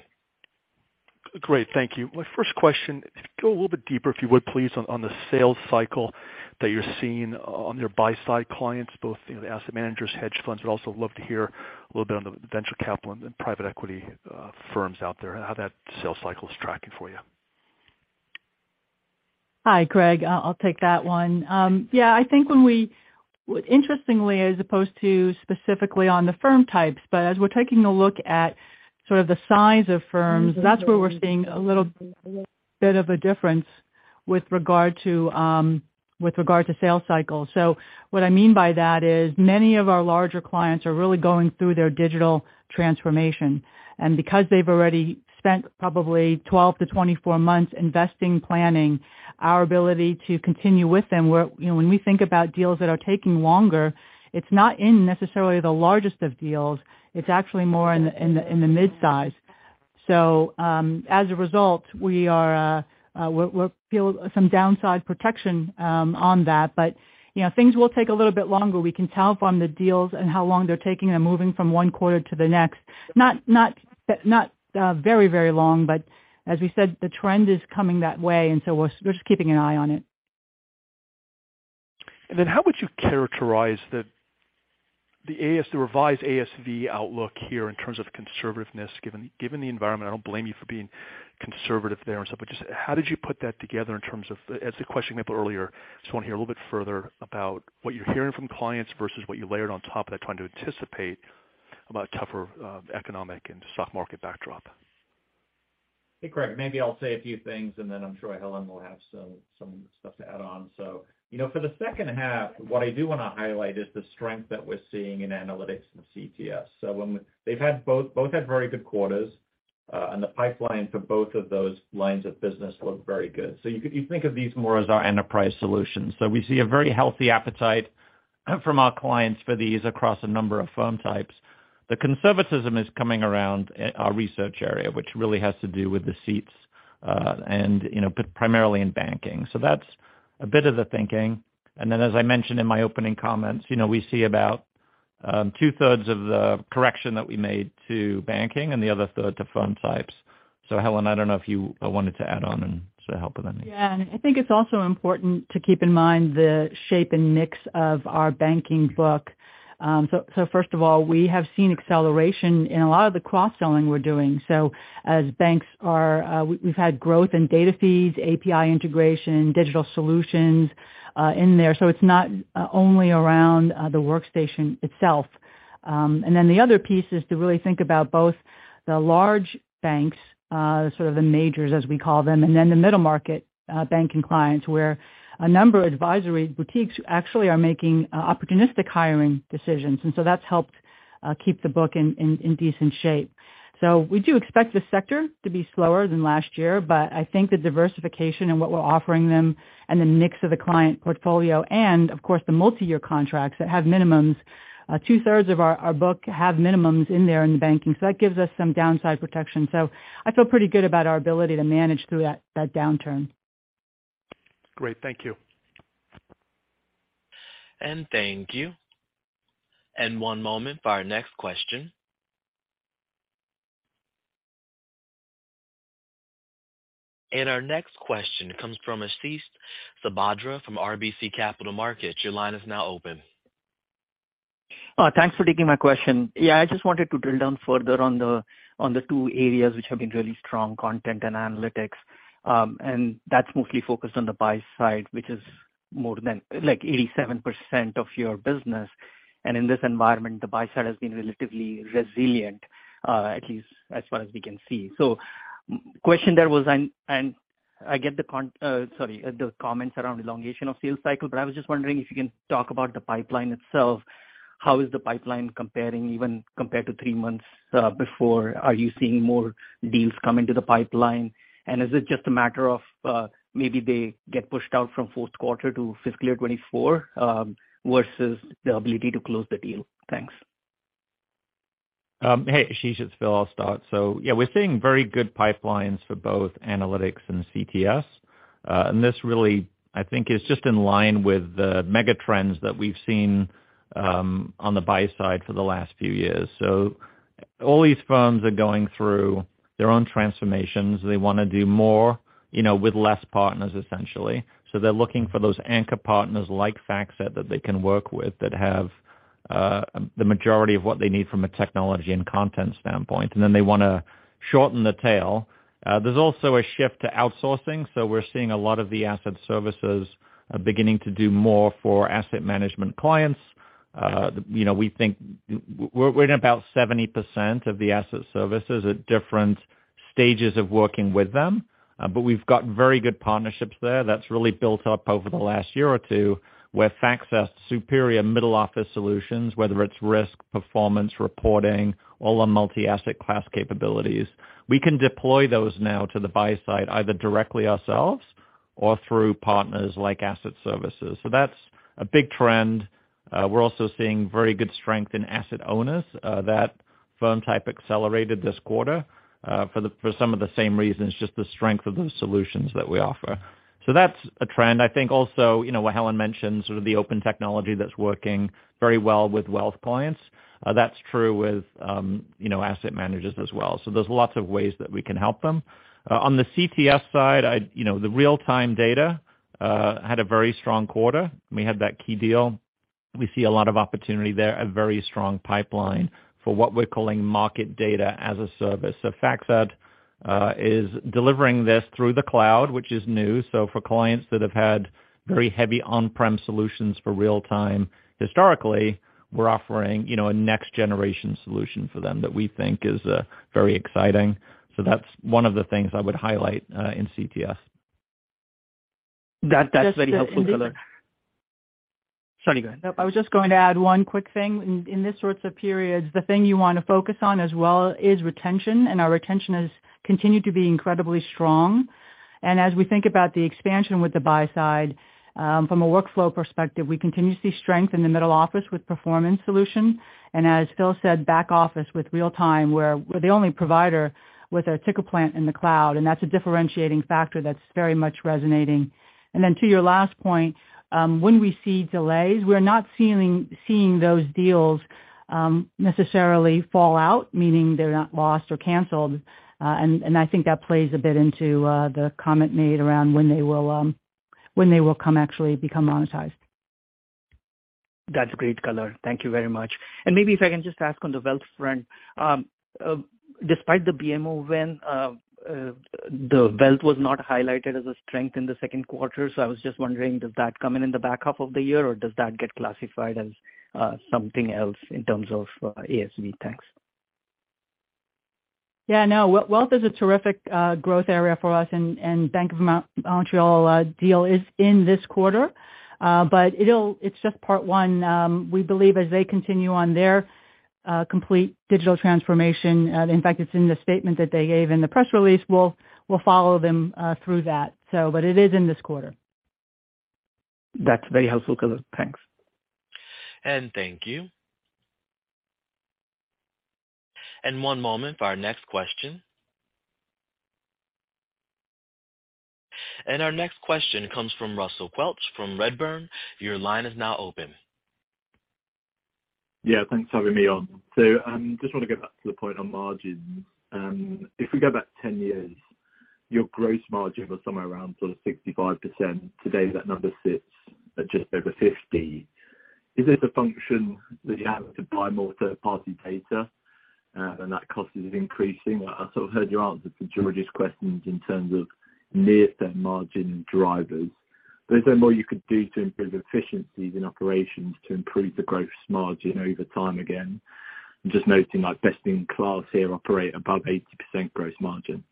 Great. Thank you. My first question, go a little bit deeper, if you would, please, on the sales cycle that you're seeing on your buy-side clients, both, you know, the asset managers, hedge funds, but also love to hear a little bit on the venture capital and private equity firms out there and how that sales cycle is tracking for you? Hi, Craig. I'll take that one. Yeah. I think interestingly, as opposed to specifically on the firm types, but as we're taking a look at sort of the size of firms, that's where we're seeing a little bit of a difference with regard to sales cycles. What I mean by that is many of our larger clients are really going through their digital transformation. Because they've already spent probably 12-24 months investing, planning, our ability to continue with them, where, you know, when we think about deals that are taking longer, it's not in necessarily the largest of deals, it's actually more in the mid-size. As a result, we'll feel some downside protection on that. You know, things will take a little bit longer. We can tell from the deals and how long they're taking and moving from one quarter to the next. Not very long, but as we said, the trend is coming that way, and so we're just keeping an eye on it. How would you characterize the revised ASV outlook here in terms of conservativeness? Given the environment, I don't blame you for being conservative there and stuff, but just how did you put that together in terms of? As the question came up earlier, just want to hear a little bit further about what you're hearing from clients versus what you layered on top of that, trying to anticipate about tougher economic and soft market backdrop. Hey, Craig, maybe I'll say a few things, and then I'm sure Helen will have some stuff to add on. You know, for the second half, what I do wanna highlight is the strength that we're seeing in analytics and CTS. They've had both had very good quarters. The pipeline for both of those lines of business look very good. You think of these more as our enterprise solutions. We see a very healthy appetite from our clients for these across a number of firm types. The conservatism is coming around our research area, which really has to do with the seats, and, you know, but primarily in banking. That's a bit of the thinking. Then as I mentioned in my opening comments, you know, we see about two-thirds of the correction that we made to banking and the other third to firm types. Helen, I don't know if you wanted to add on to help with anything. Yeah. I think it's also important to keep in mind the shape and mix of our banking book. First of all, we have seen acceleration in a lot of the cross-selling we're doing. As banks are, we've had growth in data feeds, API integration, digital solutions in there. It's not only around the workstation itself. The other piece is to really think about both the large banks, sort of the majors, as we call them, and then the middle market banking clients, where a number of advisory boutiques actually are making opportunistic hiring decisions. That's helped keep the book in decent shape. We do expect the sector to be slower than last year, but I think the diversification and what we're offering them and the mix of the client portfolio and of course, the multi-year contracts that have minimums, 2/3 of our book have minimums in there in the banking. That gives us some downside protection. I feel pretty good about our ability to manage through that downturn. Great. Thank you. Thank you. One moment for our next question. Our next question comes from Ashish Sabadra from RBC Capital Markets. Your line is now open. Thanks for taking my question. I just wanted to drill down further on the two areas which have been really strong, content and analytics. That's mostly focused on the buy side, which is more than like 87% of your business. In this environment, the buy side has been relatively resilient, at least as far as we can see. My question there was on, and I get the sorry, the comments around elongation of sales cycle, but I was just wondering if you can talk about the pipeline itself. How is the pipeline comparing even compared to 3 months before? Are you seeing more deals come into the pipeline? Is it just a matter of maybe they get pushed out from fourth quarter to fiscal year 2024 versus the ability to close the deal? Thanks. Hey, Ashish, it's Phil, I'll start. We're seeing very good pipelines for both analytics and CTS. This really I think is just in line with the mega trends that we've seen on the buy side for the last few years. All these firms are going through their own transformations. They wanna do more, you know, with less partners, essentially. They're looking for those anchor partners like FactSet that they can work with that have the majority of what they need from a technology and content standpoint, they wanna shorten the tail. There's also a shift to outsourcing, we're seeing a lot of the asset services beginning to do more for asset management clients. You know, we think we're in about 70% of the asset services at different stages of working with them. We've got very good partnerships there that's really built up over the last year or two, where FactSet's superior middle office solutions, whether it's risk, performance, reporting, all our multi-asset class capabilities. We can deploy those now to the buy side, either directly ourselves or through partners like asset services. That's a big trend. We're also seeing very good strength in asset owners, that firm type accelerated this quarter, for some of the same reasons, just the strength of the solutions that we offer. That's a trend. I think also, you know, what Helen mentioned, sort of the open technology that's working very well with wealth clients. That's true with, you know, asset managers as well. There's lots of ways that we can help them. On the CTS side, you know, the real-time data had a very strong quarter. We had that key deal. We see a lot of opportunity there, a very strong pipeline for what we're calling market data-as-a-service. FactSet is delivering this through the cloud, which is new. For clients that have had very heavy on-prem solutions for real-time, historically, we're offering, you know, a next generation solution for them that we think is very exciting. That's one of the things I would highlight in CTS. That's very helpful color. Just. Sorry, go ahead. I was just going to add one quick thing. In these sorts of periods, the thing you wanna focus on as well is retention, and our retention has continued to be incredibly strong. As we think about the expansion with the buy side, from a workflow perspective, we continue to see strength in the middle office with performance solution. As Phil said, back office with real-time, we're the only provider with a ticker plant in the cloud, and that's a differentiating factor that's very much resonating. To your last point, when we see delays, we're not seeing those deals necessarily fall out, meaning they're not lost or canceled. I think that plays a bit into the comment made around when they will when they will actually become monetized. That's great color. Thank you very much. Maybe if I can just ask on the wealth front. Despite the BMO win, the wealth was not highlighted as a strength in the second quarter. I was just wondering, does that come in in the back half of the year, or does that get classified as something else in terms of ASV? Thanks. Yeah, no. Wealth is a terrific growth area for us and Bank of Montreal, deal is in this quarter, but it's just part one. We believe as they continue on their complete digital transformation, in fact, it's in the statement that they gave in the press release, we'll follow them through that. It is in this quarter. That's very helpful color. Thanks. Thank you. One moment for our next question. Our next question comes from Russell Quelch from Redburn. Your line is now open. Yeah, thanks for having me on. Just want to get back to the point on margins. If we go back 10 years, your gross margin was somewhere around sort of 65%. Today, that number sits at just over 50%. Is this a function that you have to buy more third-party data, and that cost is increasing? I sort of heard your answer to George's questions in terms of near-term margin drivers. Is there more you could do to improve efficiencies in operations to improve the gross margin over time again? I'm just noting, like, best-in-class here operate above 80% gross margin.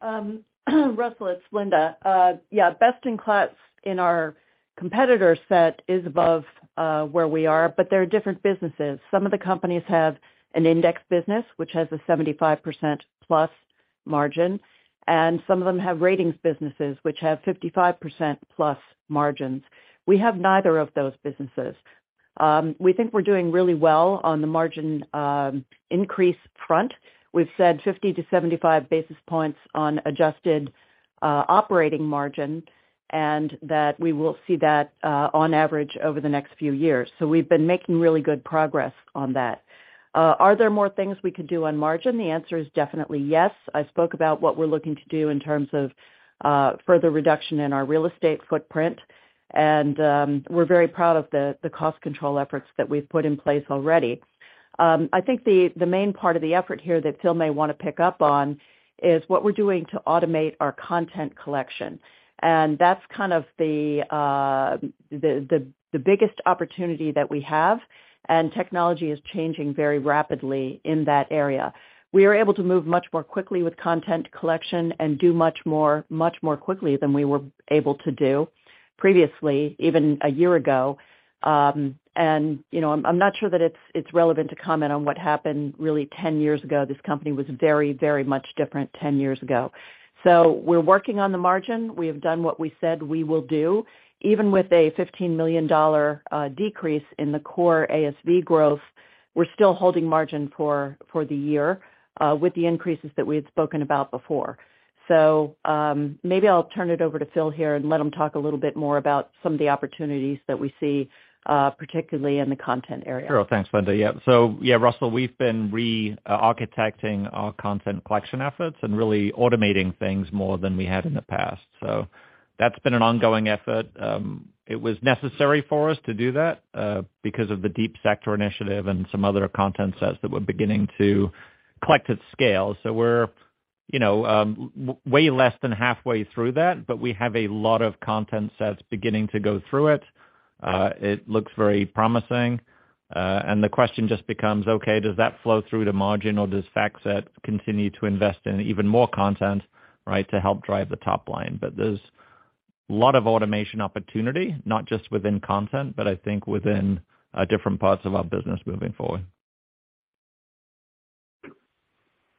Russell, it's Linda. Yeah, best-in-class in our competitor set is above where we are, but they're different businesses. Some of the companies have an index business which has a 75% plus margin, and some of them have ratings businesses which have 55% plus margins. We have neither of those businesses. We think we're doing really well on the margin increase front. We've said 50 to 75 basis points on adjusted operating margin, and that we will see that on average over the next few years. We've been making really good progress on that. Are there more things we could do on margin? The answer is definitely yes. I spoke about what we're looking to do in terms of further reduction in our real estate footprint. We're very proud of the cost control efforts that we've put in place already. I think the main part of the effort here that Phil may wanna pick up on is what we're doing to automate our content collection. That's kind of the biggest opportunity that we have, and technology is changing very rapidly in that area. We are able to move much more quickly with content collection and do much more quickly than we were able to do previously, even a year ago. You know, I'm not sure that it's relevant to comment on what happened really 10 years ago. This company was very, very much different 10 years ago. We're working on the margin. We have done what we said we will do. Even with a $15 million decrease in the core ASV growth, we're still holding margin for the year with the increases that we had spoken about before. Maybe I'll turn it over to Phil here and let him talk a little bit more about some of the opportunities that we see, particularly in the content area. Sure. Thanks, Linda. Yeah. Yeah, Russell, we've been re-architecting our content collection efforts and really automating things more than we had in the past. That's been an ongoing effort. It was necessary for us to do that, because of the Deep Sector initiative and some other content sets that we're beginning to collect at scale. We're, you know, way less than halfway through that, but we have a lot of content sets beginning to go through it. It looks very promising. The question just becomes, okay, does that flow through to margin, or does FactSet continue to invest in even more content, right, to help drive the top line? There's a lot of automation opportunity, not just within content, but I think within, different parts of our business moving forward.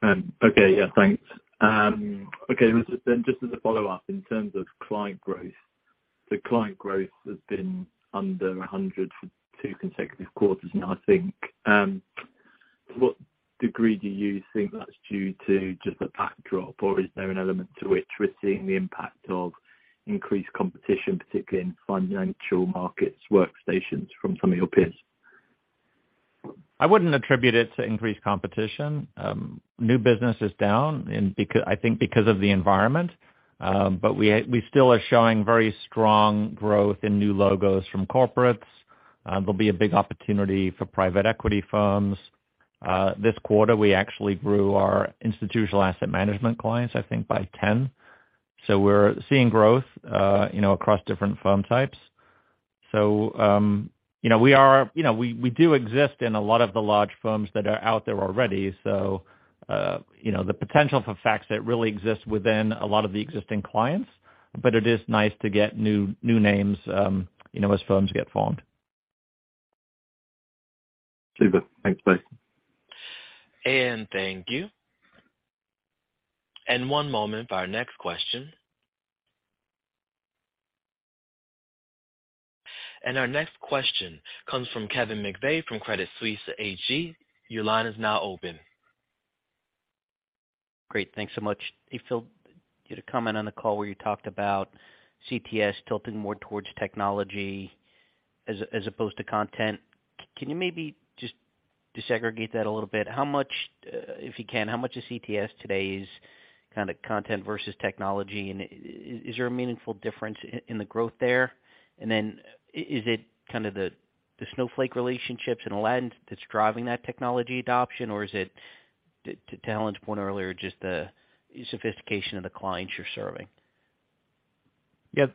Okay. Yeah, thanks. Okay. Just as a follow-up, in terms of client growth, the client growth has been under 100 for 2 consecutive quarters now, I think. What degree do you think that's due to just the backdrop, or is there an element to which we're seeing the impact of increased competition, particularly in financial markets workstations from some of your peers? I wouldn't attribute it to increased competition. New business is down because I think because of the environment. We still are showing very strong growth in new logos from corporates. There'll be a big opportunity for private equity firms. This quarter, we actually grew our institutional asset management clients, I think, by 10. We're seeing growth, you know, across different firm types. You know, we are. You know, we do exist in a lot of the large firms that are out there already, so, you know, the potential for FactSet really exists within a lot of the existing clients, but it is nice to get new names, you know, as firms get formed. Super. Thanks. Bye. Thank you. One moment for our next question. Our next question comes from Kevin McVeigh from Credit Suisse AG. Your line is now open. Great. Thanks so much. Hey, Phil. You had a comment on the call where you talked about CTS tilting more towards technology as opposed to content. Can you maybe just desegregate that a little bit? How much, if you can, how much of CTS today is kinda content versus technology? Is there a meaningful difference in the growth there? Is it kind of the Snowflake relationships and Aladdin that's driving that technology adoption, or is it, to Toni's point earlier, just the sophistication of the clients you're serving? Yes.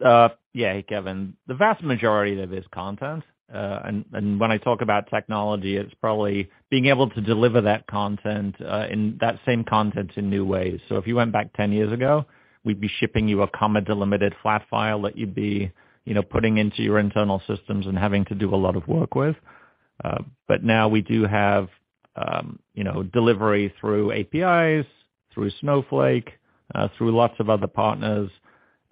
Yeah. Hey, Kevin. The vast majority of it is content. And when I talk about technology, it's probably being able to deliver that content in that same content in new ways. If you went back 10 years ago, we'd be shipping you a comma delimited flat file that you'd be, you know, putting into your internal systems and having to do a lot of work with. Now we do have, you know, delivery through APIs, through Snowflake, through lots of other partners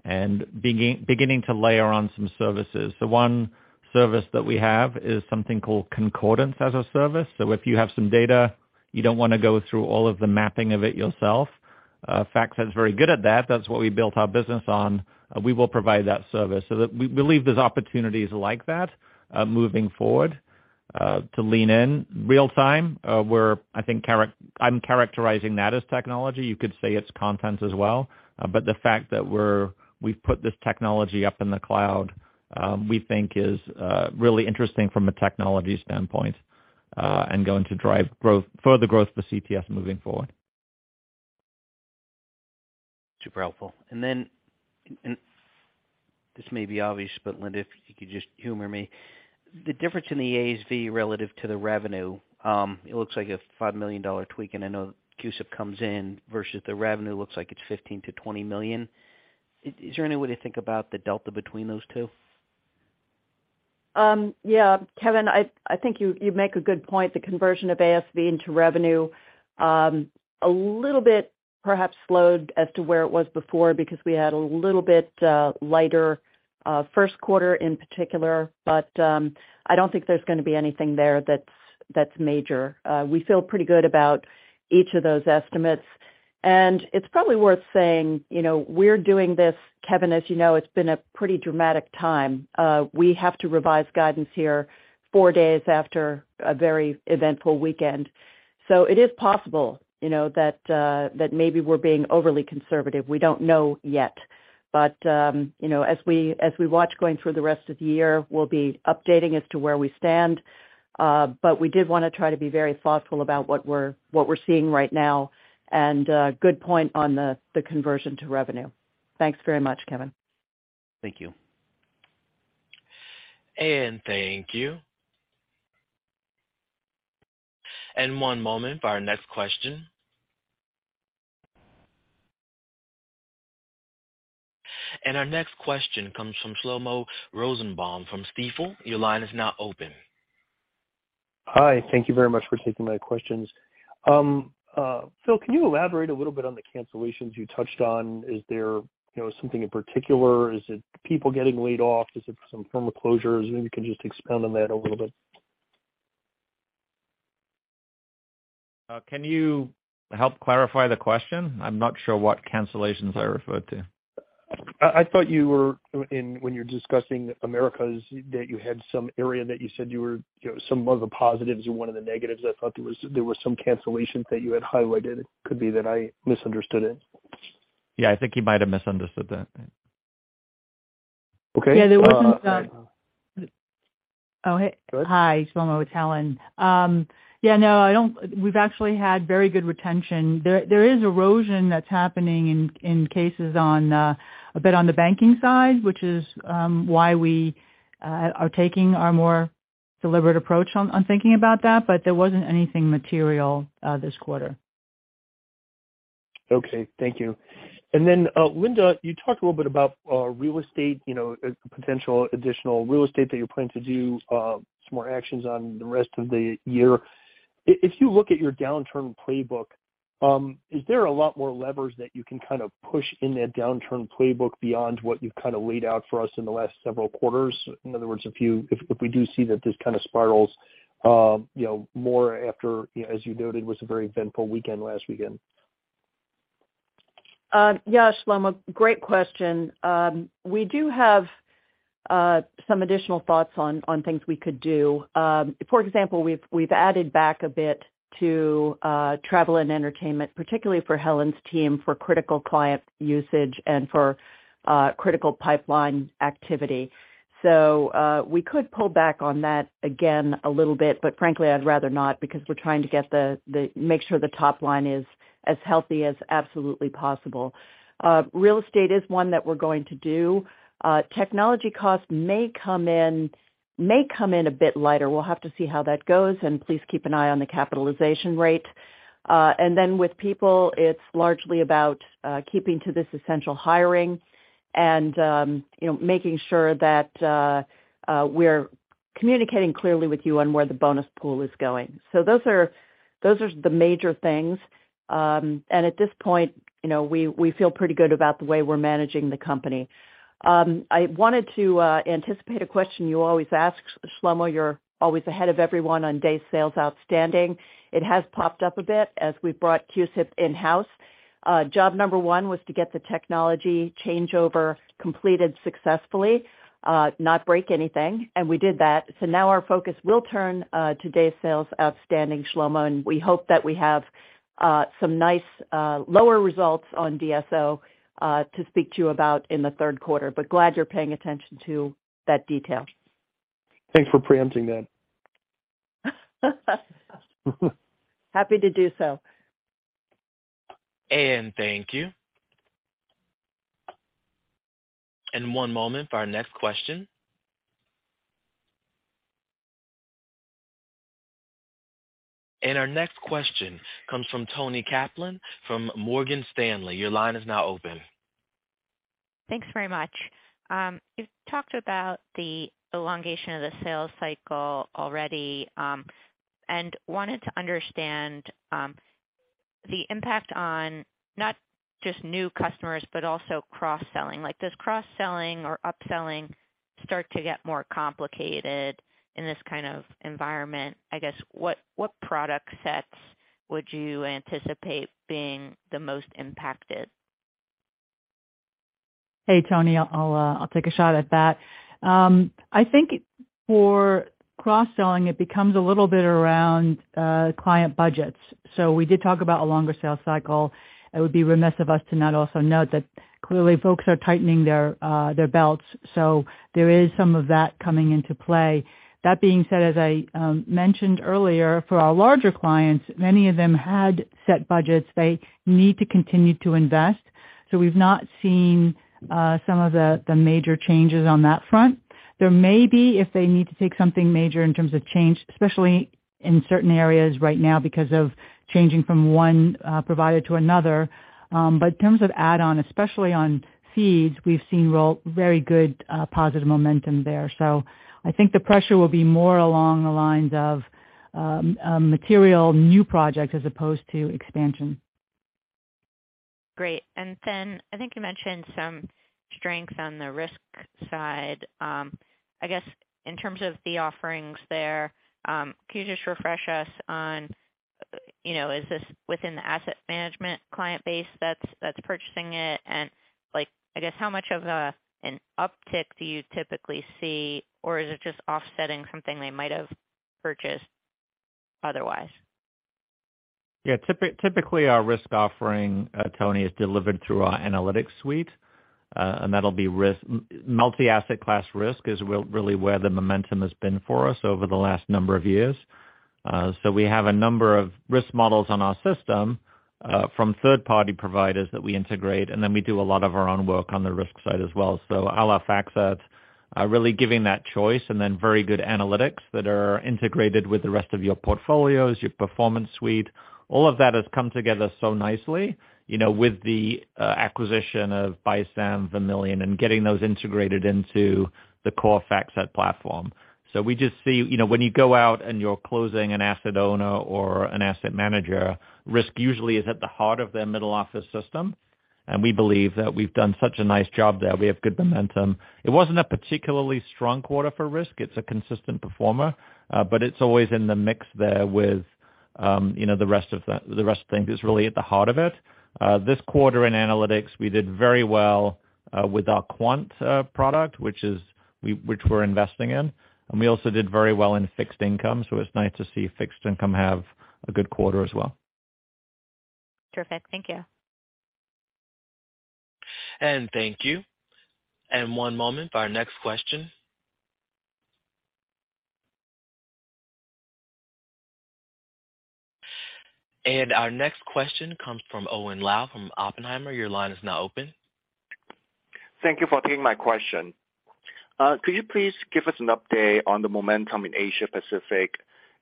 and beginning to layer on some services. The one service that we have is something called Concordance as a service. If you have some data, you don't want to go through all of the mapping of it yourself, FactSet's very good at that. That's what we built our business on. We will provide that service. We believe there's opportunities like that, moving forward, to lean in real time. I'm characterizing that as technology. You could say it's content as well, but the fact that we've put this technology up in the cloud, we think is really interesting from a technology standpoint, and going to drive growth, further growth for CTS moving forward. Super helpful. This may be obvious, but Linda, if you could just humor me. The difference in the ASV relative to the revenue, it looks like a $5 million tweak, and I know CUSIP comes in versus the revenue looks like it's $15 million-$20 million. Is there any way to think about the delta between those two? Kevin, I think you make a good point. The conversion of ASV into revenue, a little bit perhaps slowed as to where it was before because we had a little bit lighter first quarter in particular. I don't think there's gonna be anything there that's major. We feel pretty good about each of those estimates, and it's probably worth saying, you know, we're doing this, Kevin, as you know, it's been a pretty dramatic time. We have to revise guidance here four days after a very eventful weekend. It is possible, you know, that maybe we're being overly conservative. We don't know yet. You know, as we watch going through the rest of the year, we'll be updating as to where we stand. We did wanna try to be very thoughtful about what we're seeing right now. Good point on the conversion to revenue. Thanks very much, Kevin. Thank you. Thank you. One moment for our next question. Our next question comes from Shlomo Rosenbaum from Stifel. Your line is now open. Hi. Thank you very much for taking my questions. Phil, can you elaborate a little bit on the cancellations you touched on? Is there, you know, something in particular? Is it people getting laid off? Is it some form of closures? Maybe you can just expand on that a little bit. Can you help clarify the question? I'm not sure what cancellations I referred to. I thought you were when you were discussing Americas, that you had some area that you said you were, you know, some of the positives and one of the negatives. I thought there was some cancellations that you had highlighted. It could be that I misunderstood it. Yeah, I think you might have misunderstood that. Okay. There wasn't. Hey. Hi, Shlomo. It's Helen. We've actually had very good retention. There is erosion that's happening in cases on a bit on the banking side, which is why we are taking our more deliberate approach on thinking about that, but there wasn't anything material this quarter. Okay. Thank you. Linda, you talked a little bit about, real estate, you know, potential additional real estate that you're planning to do, some more actions on the rest of the year. If you look at your downturn playbook, is there a lot more levers that you can kind of push in that downturn playbook beyond what you've kind of laid out for us in the last several quarters? In other words, if we do see that this kind of spirals, you know, more after, you know, as you noted, was a very eventful weekend last weekend. Yeah, Shlomo, great question. We do have some additional thoughts on things we could do. For example, we've added back a bit to travel and entertainment, particularly for Helen's team, for critical client usage and for critical pipeline activity. We could pull back on that again a little bit, but frankly, I'd rather not because we're trying to make sure the top line is as healthy as absolutely possible. Real estate is one that we're going to do. Technology costs may come in a bit lighter. We'll have to see how that goes, and please keep an eye on the capitalization rate. With people, it's largely about keeping to this essential hiring and, you know, making sure that we're communicating clearly with you on where the bonus pool is going. Those are the major things. At this point, you know, we feel pretty good about the way we're managing the company. I wanted to anticipate a question you always ask, Shlomo. You're always ahead of everyone on day sales outstanding. It has popped up a bit as we've brought CUSIP in-house. Job number 1 was to get the technology changeover completed successfully, not break anything, and we did that. Now our focus will turn to day sales outstanding, Shlomo, and we hope that we have some nice, lower results on DSO to speak to you about in the third quarter. Glad you're paying attention to that detail. Thanks for preempting that. Happy to do so. Thank you. One moment for our next question. Our next question comes from Toni Kaplan from Morgan Stanley. Your line is now open. Thanks very much. You've talked about the elongation of the sales cycle already. Wanted to understand the impact on not just new customers, but also cross-selling. Like, does cross-selling or upselling start to get more complicated in this kind of environment? I guess, what product sets would you anticipate being the most impacted? Hey, Toni. I'll take a shot at that. I think for cross-selling, it becomes a little bit around client budgets. We did talk about a longer sales cycle. It would be remiss of us to not also note that clearly folks are tightening their belts. There is some of that coming into play. That being said, as I mentioned earlier, for our larger clients, many of them had set budgets. They need to continue to invest. We've not seen some of the major changes on that front. There may be if they need to take something major in terms of change, especially in certain areas right now because of changing from one provider to another. In terms of add-on, especially on feeds, we've seen very good positive momentum there. I think the pressure will be more along the lines of material new projects as opposed to expansion. Great. I think you mentioned some strength on the risk side. I guess in terms of the offerings there, can you just refresh us on, you know, is this within the asset management client base that's purchasing it? Like, I guess, how much of an uptick do you typically see, or is it just offsetting something they might have purchased otherwise? Yeah. Typically our risk offering, Toni, is delivered through our analytics suite. That'll be risk. Multi-asset class risk is really where the momentum has been for us over the last number of years. We have a number of risk models on our system from third-party providers that we integrate, and then we do a lot of our own work on the risk side as well. A la FactSet, really giving that choice and then very good analytics that are integrated with the rest of your portfolios, your performance suite, all of that has come together so nicely, you know, with the acquisition of BISAM, Vermilion, and getting those integrated into the core FactSet platform. We just see, you know, when you go out and you're closing an asset owner or an asset manager, risk usually is at the heart of their middle office system. We believe that we've done such a nice job there. We have good momentum. It wasn't a particularly strong quarter for risk. It's a consistent performer, but it's always in the mix there with, you know, the rest of things is really at the heart of it. This quarter in analytics, we did very well with our quant product, which we're investing in, and we also did very well in fixed income, so it's nice to see fixed income have a good quarter as well. Terrific. Thank you. Thank you. One moment for our next question. Our next question comes from Owen Lau from Oppenheimer. Your line is now open. Thank you for taking my question. Could you please give us an update on the momentum in Asia Pacific?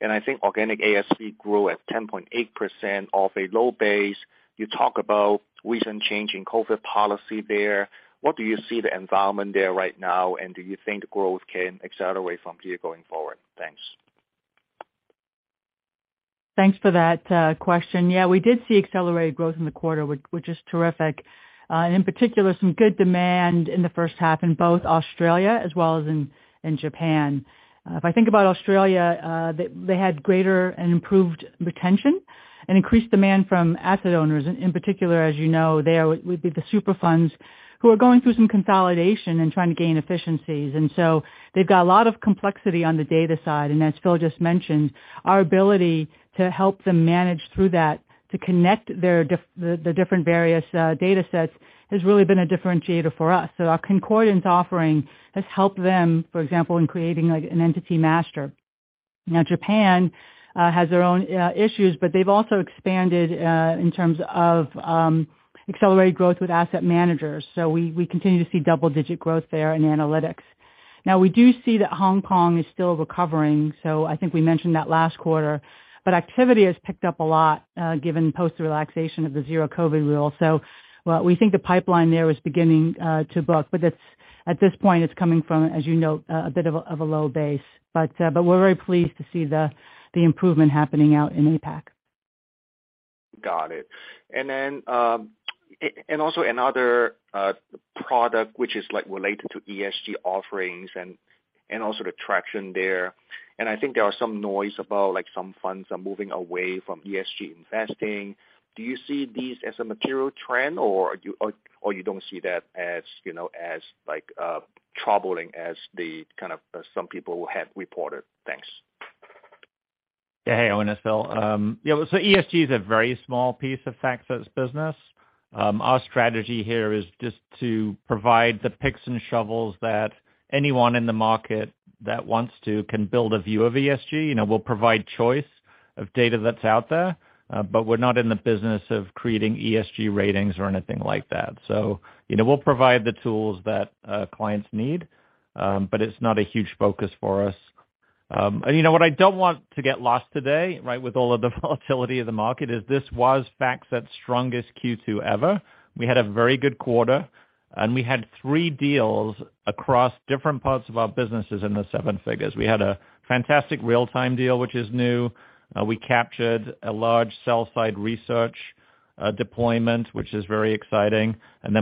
I think organic ASP grew at 10.8% off a low base. You talk about recent change in COVID policy there. What do you see the environment there right now, and do you think growth can accelerate from here going forward? Thanks. Thanks for that question. Yeah, we did see accelerated growth in the quarter, which is terrific. In particular, some good demand in the first half in both Australia as well as in Japan. If I think about Australia, they had greater and improved retention and increased demand from asset owners. In particular, as you know, there would be the super funds who are going through some consolidation and trying to gain efficiencies. They've got a lot of complexity on the data side, and as Phil Snow just mentioned, our ability to help them manage through that, to connect the different various datasets has really been a differentiator for us. Our Concordance offering has helped them, for example, in creating, like, an entity master. Japan has their own issues, but they've also expanded in terms of accelerated growth with asset managers. We continue to see double digit growth there in analytics. We do see that Hong Kong is still recovering, so I think we mentioned that last quarter. Activity has picked up a lot given post relaxation of the zero COVID rule. We think the pipeline there is beginning to book, but at this point it's coming from, as you know, a bit of a low base. We're very pleased to see the improvement happening out in APAC. Got it. Then, and also another product which is, like, related to ESG offerings and also the traction there. I think there are some noise about, like, some funds are moving away from ESG investing. Do you see these as a material trend or you don't see that as, you know, as like, troubling as the kind of, some people have reported? Thanks. Yeah. Hey, Owen, it's Phil. Yeah, well, ESG is a very small piece of FactSet's business. Our strategy here is just to provide the picks and shovels that anyone in the market that wants to can build a view of ESG. You know, we'll provide choice of data that's out there, but we're not in the business of creating ESG ratings or anything like that. You know, we'll provide the tools that clients need, but it's not a huge focus for us. You know what I don't want to get lost today, right? With all of the volatility of the market, is this was FactSet's strongest Q2 ever. We had a very good quarter, and we had three deals across different parts of our businesses in the seven figures. We had a fantastic real-time deal, which is new. We captured a large sell-side research deployment, which is very exciting.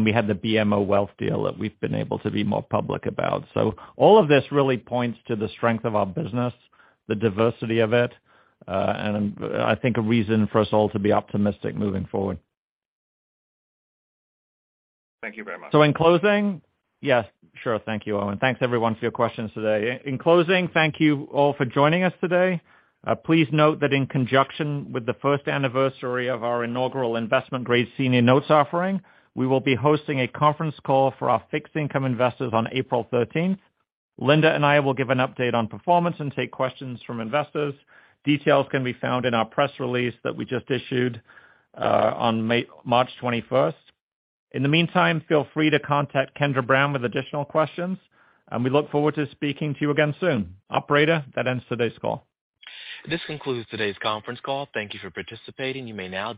We had the BMO Wealth deal that we've been able to be more public about. All of this really points to the strength of our business, the diversity of it, and I think a reason for us all to be optimistic moving forward. Thank you very much. Yes, sure. Thank you, Owen. Thanks everyone for your questions today. In closing, thank you all for joining us today. Please note that in conjunction with the first anniversary of our inaugural investment-grade senior notes offering, we will be hosting a conference call for our fixed income investors on April 13th. Linda and I will give an update on performance and take questions from investors. Details can be found in our press release that we just issued on March 21st. In the meantime, feel free to contact Kendra Brown with additional questions, and we look forward to speaking to you again soon. Operator, that ends today's call. This concludes today's conference call. Thank you for participating. You may now disconnect.